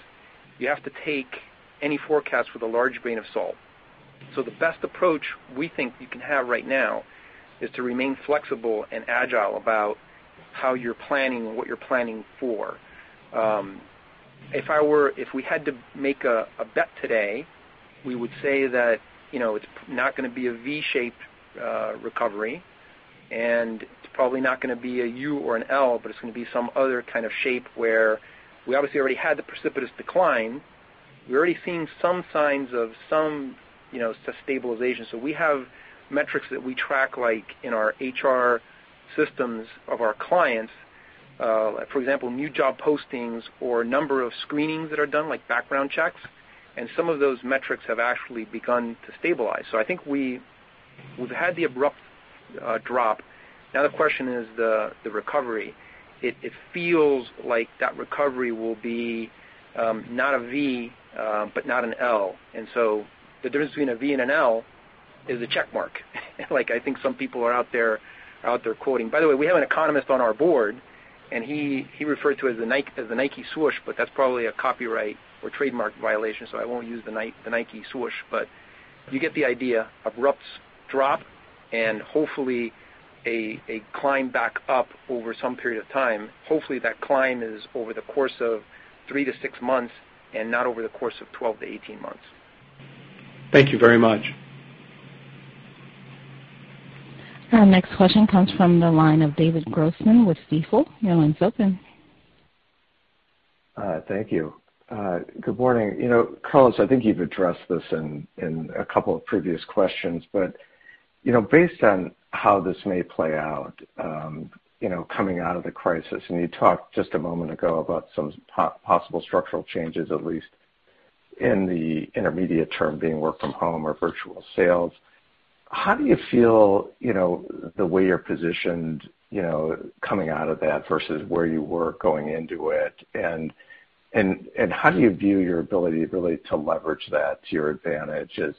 you have to take any forecast with a large grain of salt. The best approach we think you can have right now is to remain flexible and agile about how you're planning and what you're planning for. If we had to make a bet today, we would say that, you know, it's not going to be a V-shaped recovery, and it's probably not going to be a U or an L, but it's going to be some other kind of shape where we obviously already had the precipitous decline. We're already seeing some signs of some, you know, stabilization. We have metrics that we track, like in our HR systems of our clients. For example, new job postings or number of screenings that are done, like background checks, and some of those metrics have actually begun to stabilize. I think we've had the abrupt drop. Now the question is the recovery. It feels like that recovery will be not a V, but not an L. The difference between a V and an L is a check mark, like I think some people are out there quoting. By the way, we have an economist on our board, and he referred to it as the Nike swoosh, but that's probably a copyright or trademark violation, so I won't use the Nike swoosh. You get the idea. Abrupt drop and hopefully a climb back up over some period of time. Hopefully, that climb is over the course of 3 months-6 months and not over the course of 12 months-18 months. Thank you very much. Our next question comes from the line of David Grossman with Stifel. Your line's open. Thank you. Good morning. Carlos Rodriguez, I think you've addressed this in a couple of previous questions, but based on how this may play out coming out of the crisis, and you talked just a moment ago about some possible structural changes, at least in the intermediate term, being work from home or virtual sales. How do you feel the way you're positioned coming out of that versus where you were going into it? How do you view your ability really to leverage that to your advantage? Is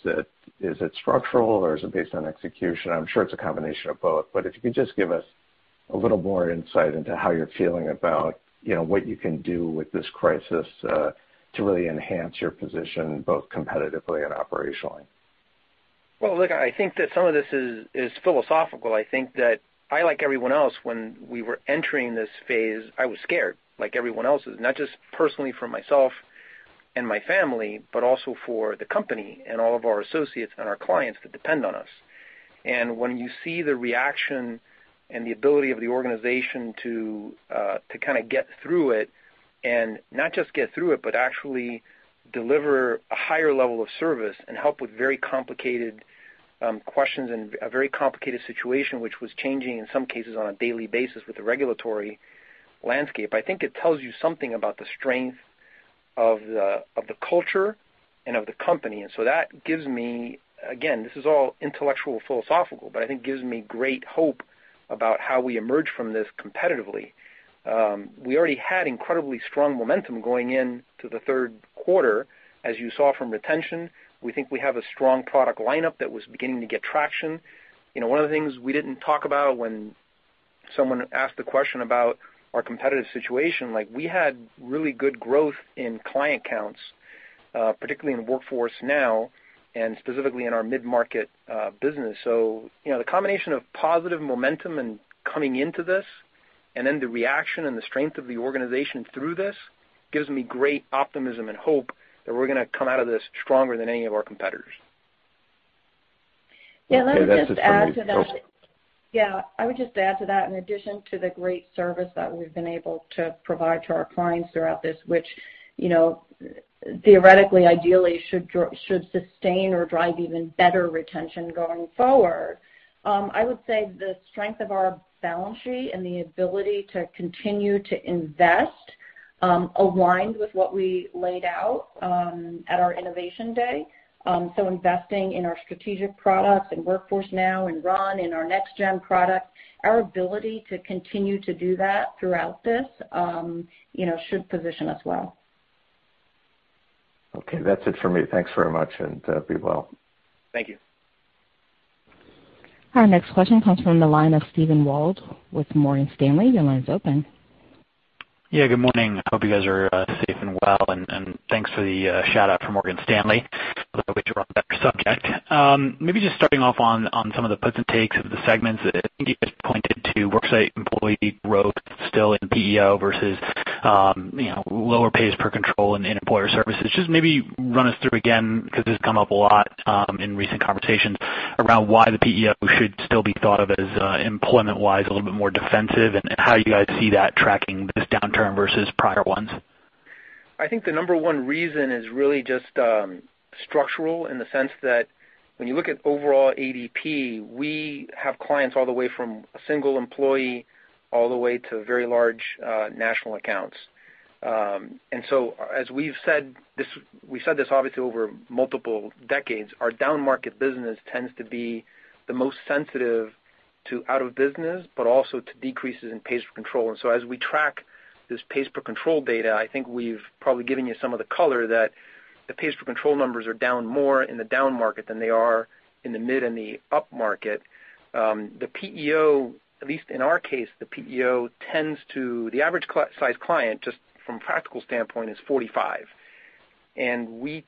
it structural or is it based on execution? I'm sure it's a combination of both, but if you could just give us a little more insight into how you're feeling about what you can do with this crisis to really enhance your position both competitively and operationally. Well, look, I think that some of this is philosophical. I think that I, like everyone else, when we were entering this phase, I was scared like everyone else is. Not just personally for myself and my family, but also for the company and all of our associates and our clients that depend on us. When you see the reaction and the ability of the organization to kind of get through it, and not just get through it, but actually deliver a higher level of service and help with very complicated questions and a very complicated situation, which was changing in some cases on a daily basis with the regulatory landscape. I think it tells you something about the strength of the culture and of the company. That gives me, again, this is all intellectual, philosophical, but I think gives me great hope about how we emerge from this competitively. We already had incredibly strong momentum going in to the third quarter, as you saw from retention. We think we have a strong product lineup that was beginning to get traction. One of the things we didn't talk about when someone asked the question about our competitive situation, we had really good growth in client counts, particularly in Workforce Now and specifically in our mid-market business. The combination of positive momentum and coming into this, and then the reaction and the strength of the organization through this gives me great optimism and hope that we're going to come out of this stronger than any of our competitors. Okay, that's it for me. I would just add to that in addition to the great service that we've been able to provide to our clients throughout this, which theoretically, ideally, should sustain or drive even better retention going forward. I would say the strength of our balance sheet and the ability to continue to invest aligned with what we laid out at our Innovation Day. Investing in our strategic products and Workforce Now and RUN in our Next Gen product, our ability to continue to do that throughout this should position us well. Okay, that's it for me. Thanks very much, and be well. Thank you. Our next question comes from the line of Steven Wald with Morgan Stanley. Your line is open. Yeah, good morning. I hope you guys are safe and well, and thanks for the shout-out for Morgan Stanley. By the way, to run back to subject. Maybe just starting off on some of the puts and takes of the segments. I think you guys pointed to worksite employee growth still in PEO versus lower pays per control in Employer Services. Just maybe run us through again, because it's come up a lot in recent conversations around why the PEO should still be thought of as employment-wise a little bit more defensive, and how you guys see that tracking this downturn versus prior ones. I think the number one reason is really just structural in the sense that when you look at overall ADP, we have clients all the way from single employee all the way to very large national accounts. As we've said this, we've said this obviously over multiple decades, our downmarket business tends to be the most sensitive to out of business, but also to decreases in pays per control. As we track this pays per control data, I think we've probably given you some of the color that the pays per control numbers are down more in the downmarket than they are in the mid and the upmarket. The PEO, at least in our case, the PEO tends to the average size client, just from practical standpoint, is 45. We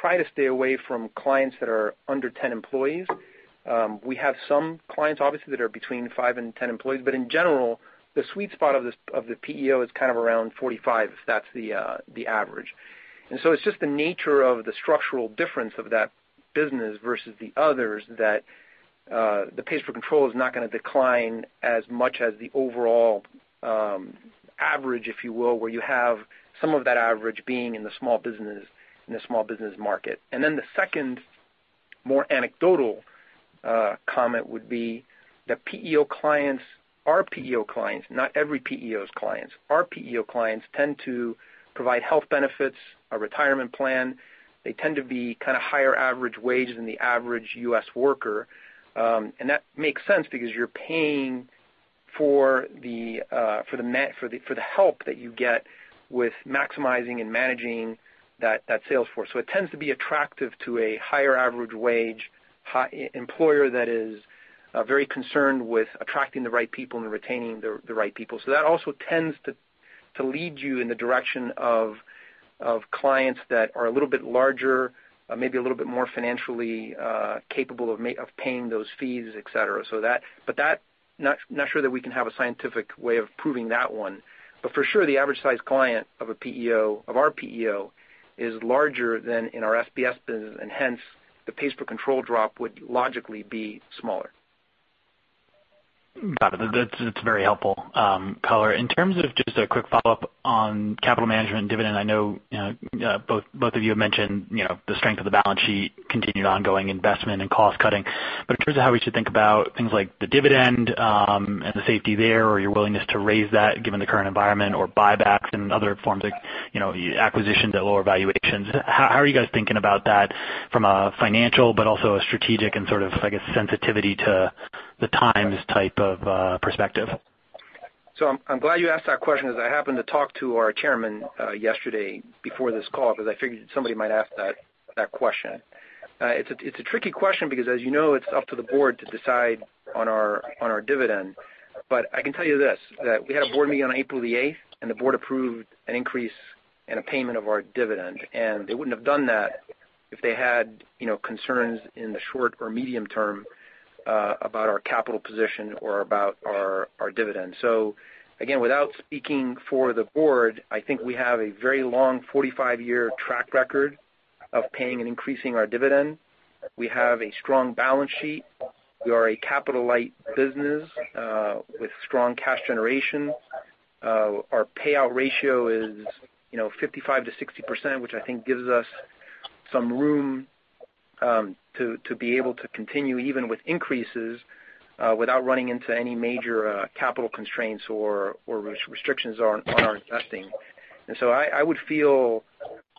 try to stay away from clients that are under 10 employees. We have some clients, obviously, that are between five and 10 employees. In general, the sweet spot of the PEO is around 45. That's the average. It's just the nature of the structural difference of that business versus the others that the pays per control is not going to decline as much as the overall average, if you will, where you have some of that average being in the small business market. The second, more anecdotal comment would be that PEO clients, our PEO clients, not every PEO's clients, our PEO clients tend to provide health benefits, a retirement plan. They tend to be higher average wage than the average U.S. worker. That makes sense because you're paying for the help that you get with maximizing and managing that sales force. It tends to be attractive to a higher average wage employer that is very concerned with attracting the right people and retaining the right people. That also tends to lead you in the direction of clients that are a little bit larger, maybe a little bit more financially capable of paying those fees, et cetera. Not sure that we can have a scientific way of proving that one. For sure, the average size client of our PEO is larger than in our SBS business, and hence, the pays per control drop would logically be smaller. Got it. That's very helpful color. In terms of just a quick follow-up on capital management and dividend, I know both of you have mentioned the strength of the balance sheet, continued ongoing investment and cost-cutting. In terms of how we should think about things like the dividend and the safety there, or your willingness to raise that given the current environment, or buybacks and other forms of acquisition to lower valuations, how are you guys thinking about that from a financial but also a strategic and sort of, I guess, sensitivity to the times type of perspective? I'm glad you asked that question, as I happened to talk to our chairman yesterday before this call, because I figured somebody might ask that question. It's a tricky question because as you know, it's up to the board to decide on our dividend. I can tell you this, that we had a board meeting on April the 8th, and the board approved an increase and a payment of our dividend. They wouldn't have done that if they had concerns in the short or medium term about our capital position or about our dividend. Again, without speaking for the board, I think we have a very long 45-year track record of paying and increasing our dividend. We have a strong balance sheet. We are a capital-light business with strong cash generation. Our payout ratio is 55%-60%, which I think gives us some room to be able to continue even with increases, without running into any major capital constraints or restrictions on our investing. I would feel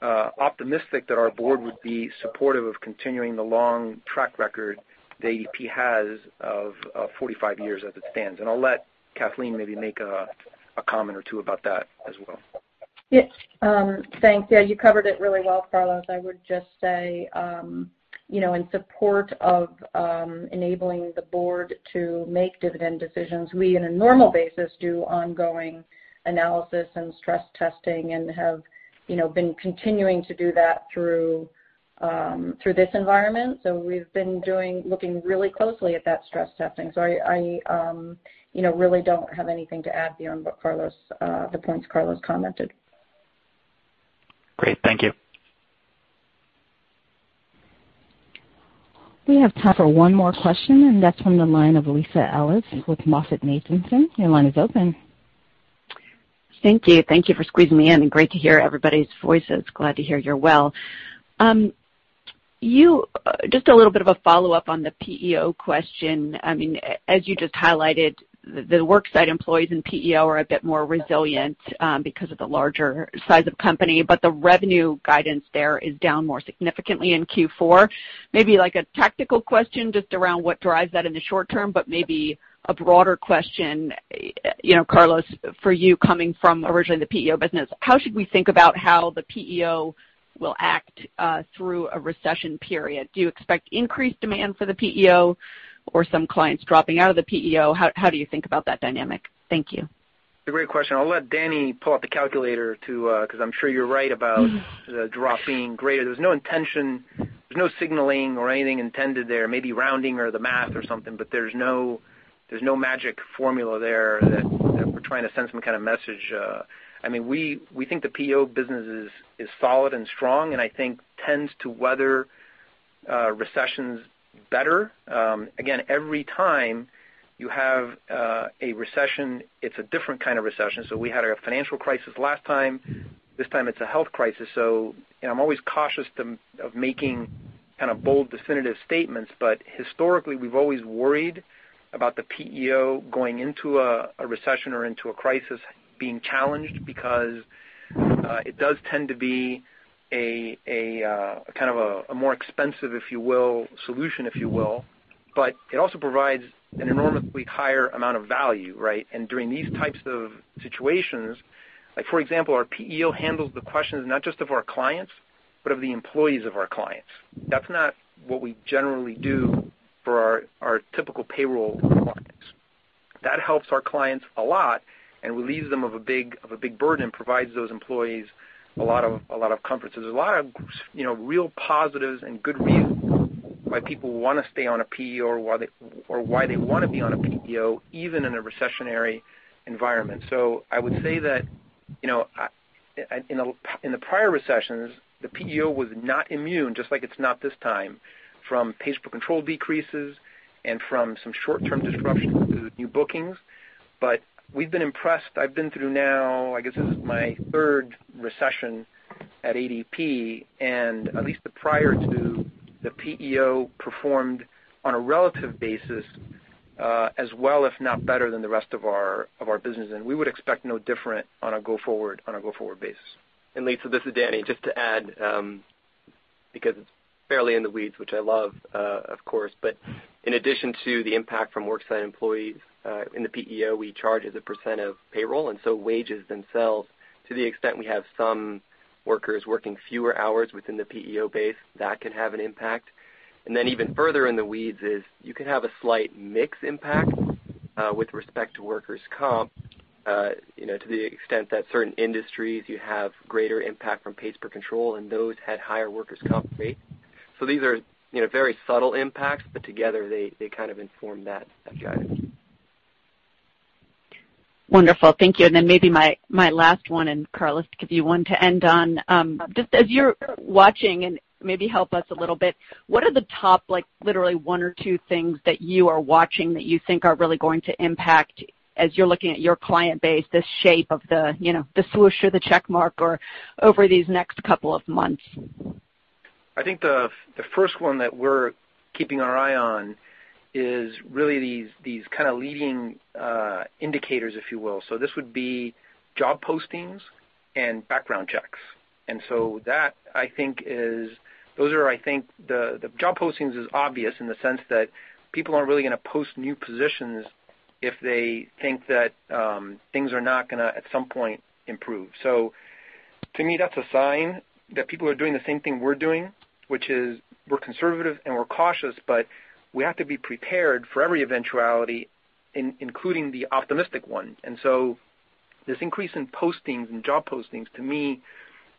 optimistic that our board would be supportive of continuing the long track record that ADP has of 45 years as it stands. I'll let Kathleen Winters maybe make a comment or two about that as well. Yes. Thanks. Yeah, you covered it really well, Carlos Rodriguez. I would just say, in support of enabling the board to make dividend decisions, we on a normal basis do ongoing analysis and stress testing and have been continuing to do that through this environment. We've been looking really closely at that stress testing. I really don't have anything to add there on the points Carlos Rodriguez commented. Great. Thank you. We have time for one more question, and that's from the line of Lisa Ellis with MoffettNathanson. Your line is open. Thank you. Thank you for squeezing me in. Great to hear everybody's voices. Glad to hear you're well. Just a little bit of a follow-up on the PEO question. As you just highlighted, the worksite employees and PEO are a bit more resilient because of the larger size of company, but the revenue guidance there is down more significantly in Q4. Maybe a tactical question just around what drives that in the short term, but maybe a broader question, Carlos Rodriguez, for you coming from originally the PEO business. How should we think about how the PEO will act through a recession period? Do you expect increased demand for the PEO or some clients dropping out of the PEO? How do you think about that dynamic? Thank you. It's a great question. I'll let Danyal Hussain pull up the calculator too, because I'm sure you're right about the drop being greater. There's no intention, there's no signaling or anything intended there, maybe rounding or the math or something, but there's no magic formula there that we're trying to send some kind of message. We think the PEO business is solid and strong and I think tends to weather recessions better. Again, every time you have a recession, it's a different kind of recession. We had our financial crisis last time. This time it's a health crisis. I'm always cautious of making bold, definitive statements, but historically, we've always worried about the PEO going into a recession or into a crisis being challenged because it does tend to be kind of a more expensive, if you will, solution. It also provides an enormously higher amount of value, right? During these types of situations, for example, our PEO handles the questions not just of our clients, but of the employees of our clients. That's not what we generally do for our typical payroll clients. That helps our clients a lot and relieves them of a big burden and provides those employees a lot of comfort. There's a lot of real positives and good reasons why people want to stay on a PEO or why they want to be on a PEO, even in a recessionary environment. I would say that in the prior recessions, the PEO was not immune, just like it's not this time, from pays per control decreases and from some short-term disruptions due to new bookings. We've been impressed. I've been through now, I guess this is my third recession at ADP, at least prior to, the PEO performed on a relative basis as well, if not better than the rest of our business. We would expect no different on a go-forward basis. Lisa Ellis, this is Danyal Hussain. Just to add, because it's fairly in the weeds, which I love, of course. In addition to the impact from worksite employees in the PEO, we charge as a percent of payroll, and so wages themselves, to the extent we have some workers working fewer hours within the PEO base, that can have an impact. Even further in the weeds is you could have a slight mix impact with respect to workers' comp, to the extent that certain industries you have greater impact from pays per control, and those had higher workers' comp rates. These are very subtle impacts, but together they kind of inform that guidance. Wonderful. Thank you. Maybe my last one, Carlos Rodriguez, to give you one to end on. Just as you're watching and maybe help us a little bit, what are the top literally one or two things that you are watching that you think are really going to impact as you're looking at your client base, the shape of the swoosh or the check mark over these next couple of months? I think the first one that we're keeping our eye on is really these kind of leading indicators, if you will. This would be job postings and background checks. Those are, I think the job postings is obvious in the sense that people aren't really going to post new positions if they think that things are not going to, at some point, improve. To me, that's a sign that people are doing the same thing we're doing, which is we're conservative and we're cautious, but we have to be prepared for every eventuality, including the optimistic one. This increase in postings and job postings to me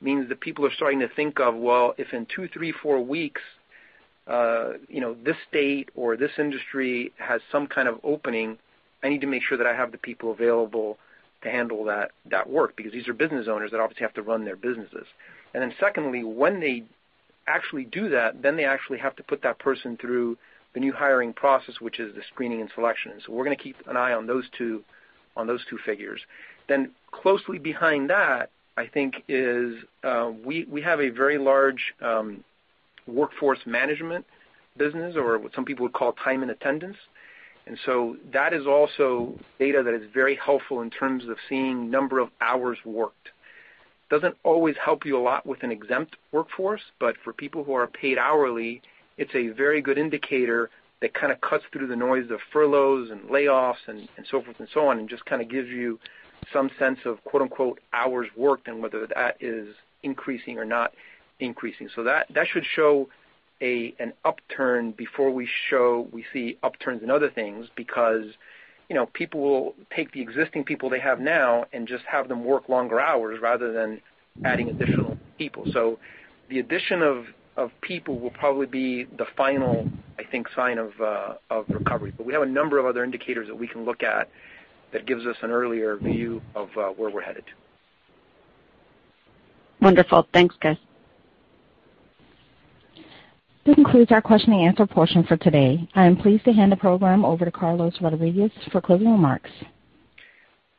means that people are starting to think of, well, if in two, three, four weeks this state or this industry has some kind of opening, I need to make sure that I have the people available to handle that work because these are business owners that obviously have to run their businesses. Secondly, when they actually do that, then they actually have to put that person through the new hiring process, which is the screening and selection. We're going to keep an eye on those two figures. Closely behind that, I think, is we have a very large workforce management business, or some people would call time and attendance. That is also data that is very helpful in terms of seeing number of hours worked. Doesn't always help you a lot with an exempt workforce, but for people who are paid hourly, it's a very good indicator that kind of cuts through the noise of furloughs and layoffs and so forth and so on, and just kind of gives you some sense of quote unquote "hours worked" and whether that is increasing or not increasing. That should show an upturn before we see upturns in other things because people will take the existing people they have now and just have them work longer hours rather than adding additional people. The addition of people will probably be the final, I think, sign of recovery. We have a number of other indicators that we can look at that gives us an earlier view of where we're headed. Wonderful. Thanks, guys. This concludes our question and answer portion for today. I am pleased to hand the program over to Carlos Rodriguez for closing remarks.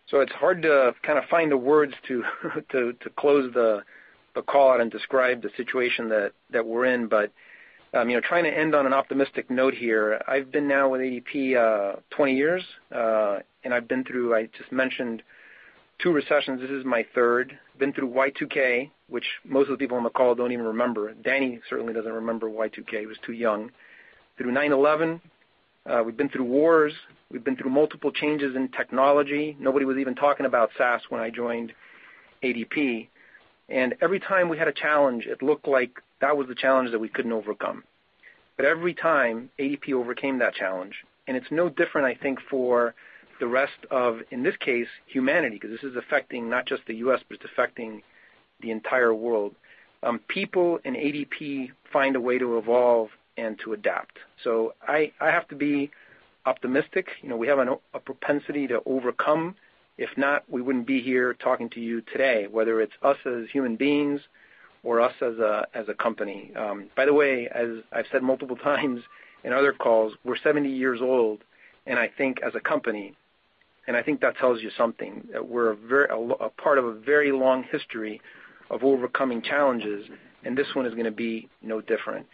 It's hard to kind of find the words to close the call and describe the situation that we're in. Trying to end on an optimistic note here. I've been now with ADP 20 years, and I've been through, I just mentioned two recessions. This is my third. Been through Y2K, which most of the people on the call don't even remember. Danyal Hussain certainly doesn't remember Y2K. He was too young. Through 9/11. We've been through wars. We've been through multiple changes in technology. Nobody was even talking about SaaS when I joined ADP. Every time we had a challenge, it looked like that was the challenge that we couldn't overcome. Every time, ADP overcame that challenge, and it's no different, I think, for the rest of, in this case, humanity, because this is affecting not just the U.S., but it's affecting the entire world. People in ADP find a way to evolve and to adapt. I have to be optimistic. We have a propensity to overcome. If not, we wouldn't be here talking to you today, whether it's us as human beings or us as a company. By the way, as I've said multiple times in other calls, we're 70 years old, and I think as a company, and I think that tells you something, that we're a part of a very long history of overcoming challenges, and this one is going to be no different.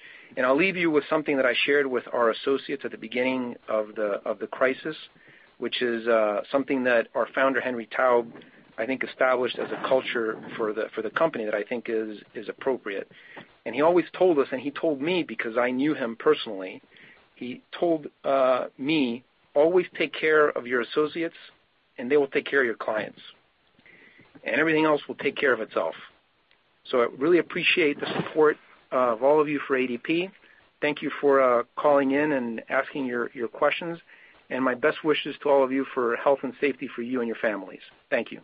I'll leave you with something that I shared with our associates at the beginning of the crisis, which is something that our founder, Henry Taub, I think, established as a culture for the company that I think is appropriate. He always told us, and he told me because I knew him personally, he told me, "Always take care of your associates, and they will take care of your clients." Everything else will take care of itself. I really appreciate the support of all of you for ADP. Thank you for calling in and asking your questions, and my best wishes to all of you for health and safety for you and your families. Thank you.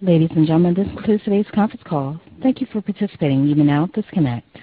Ladies and gentlemen, this concludes today's conference call. Thank you for participating. You may now disconnect.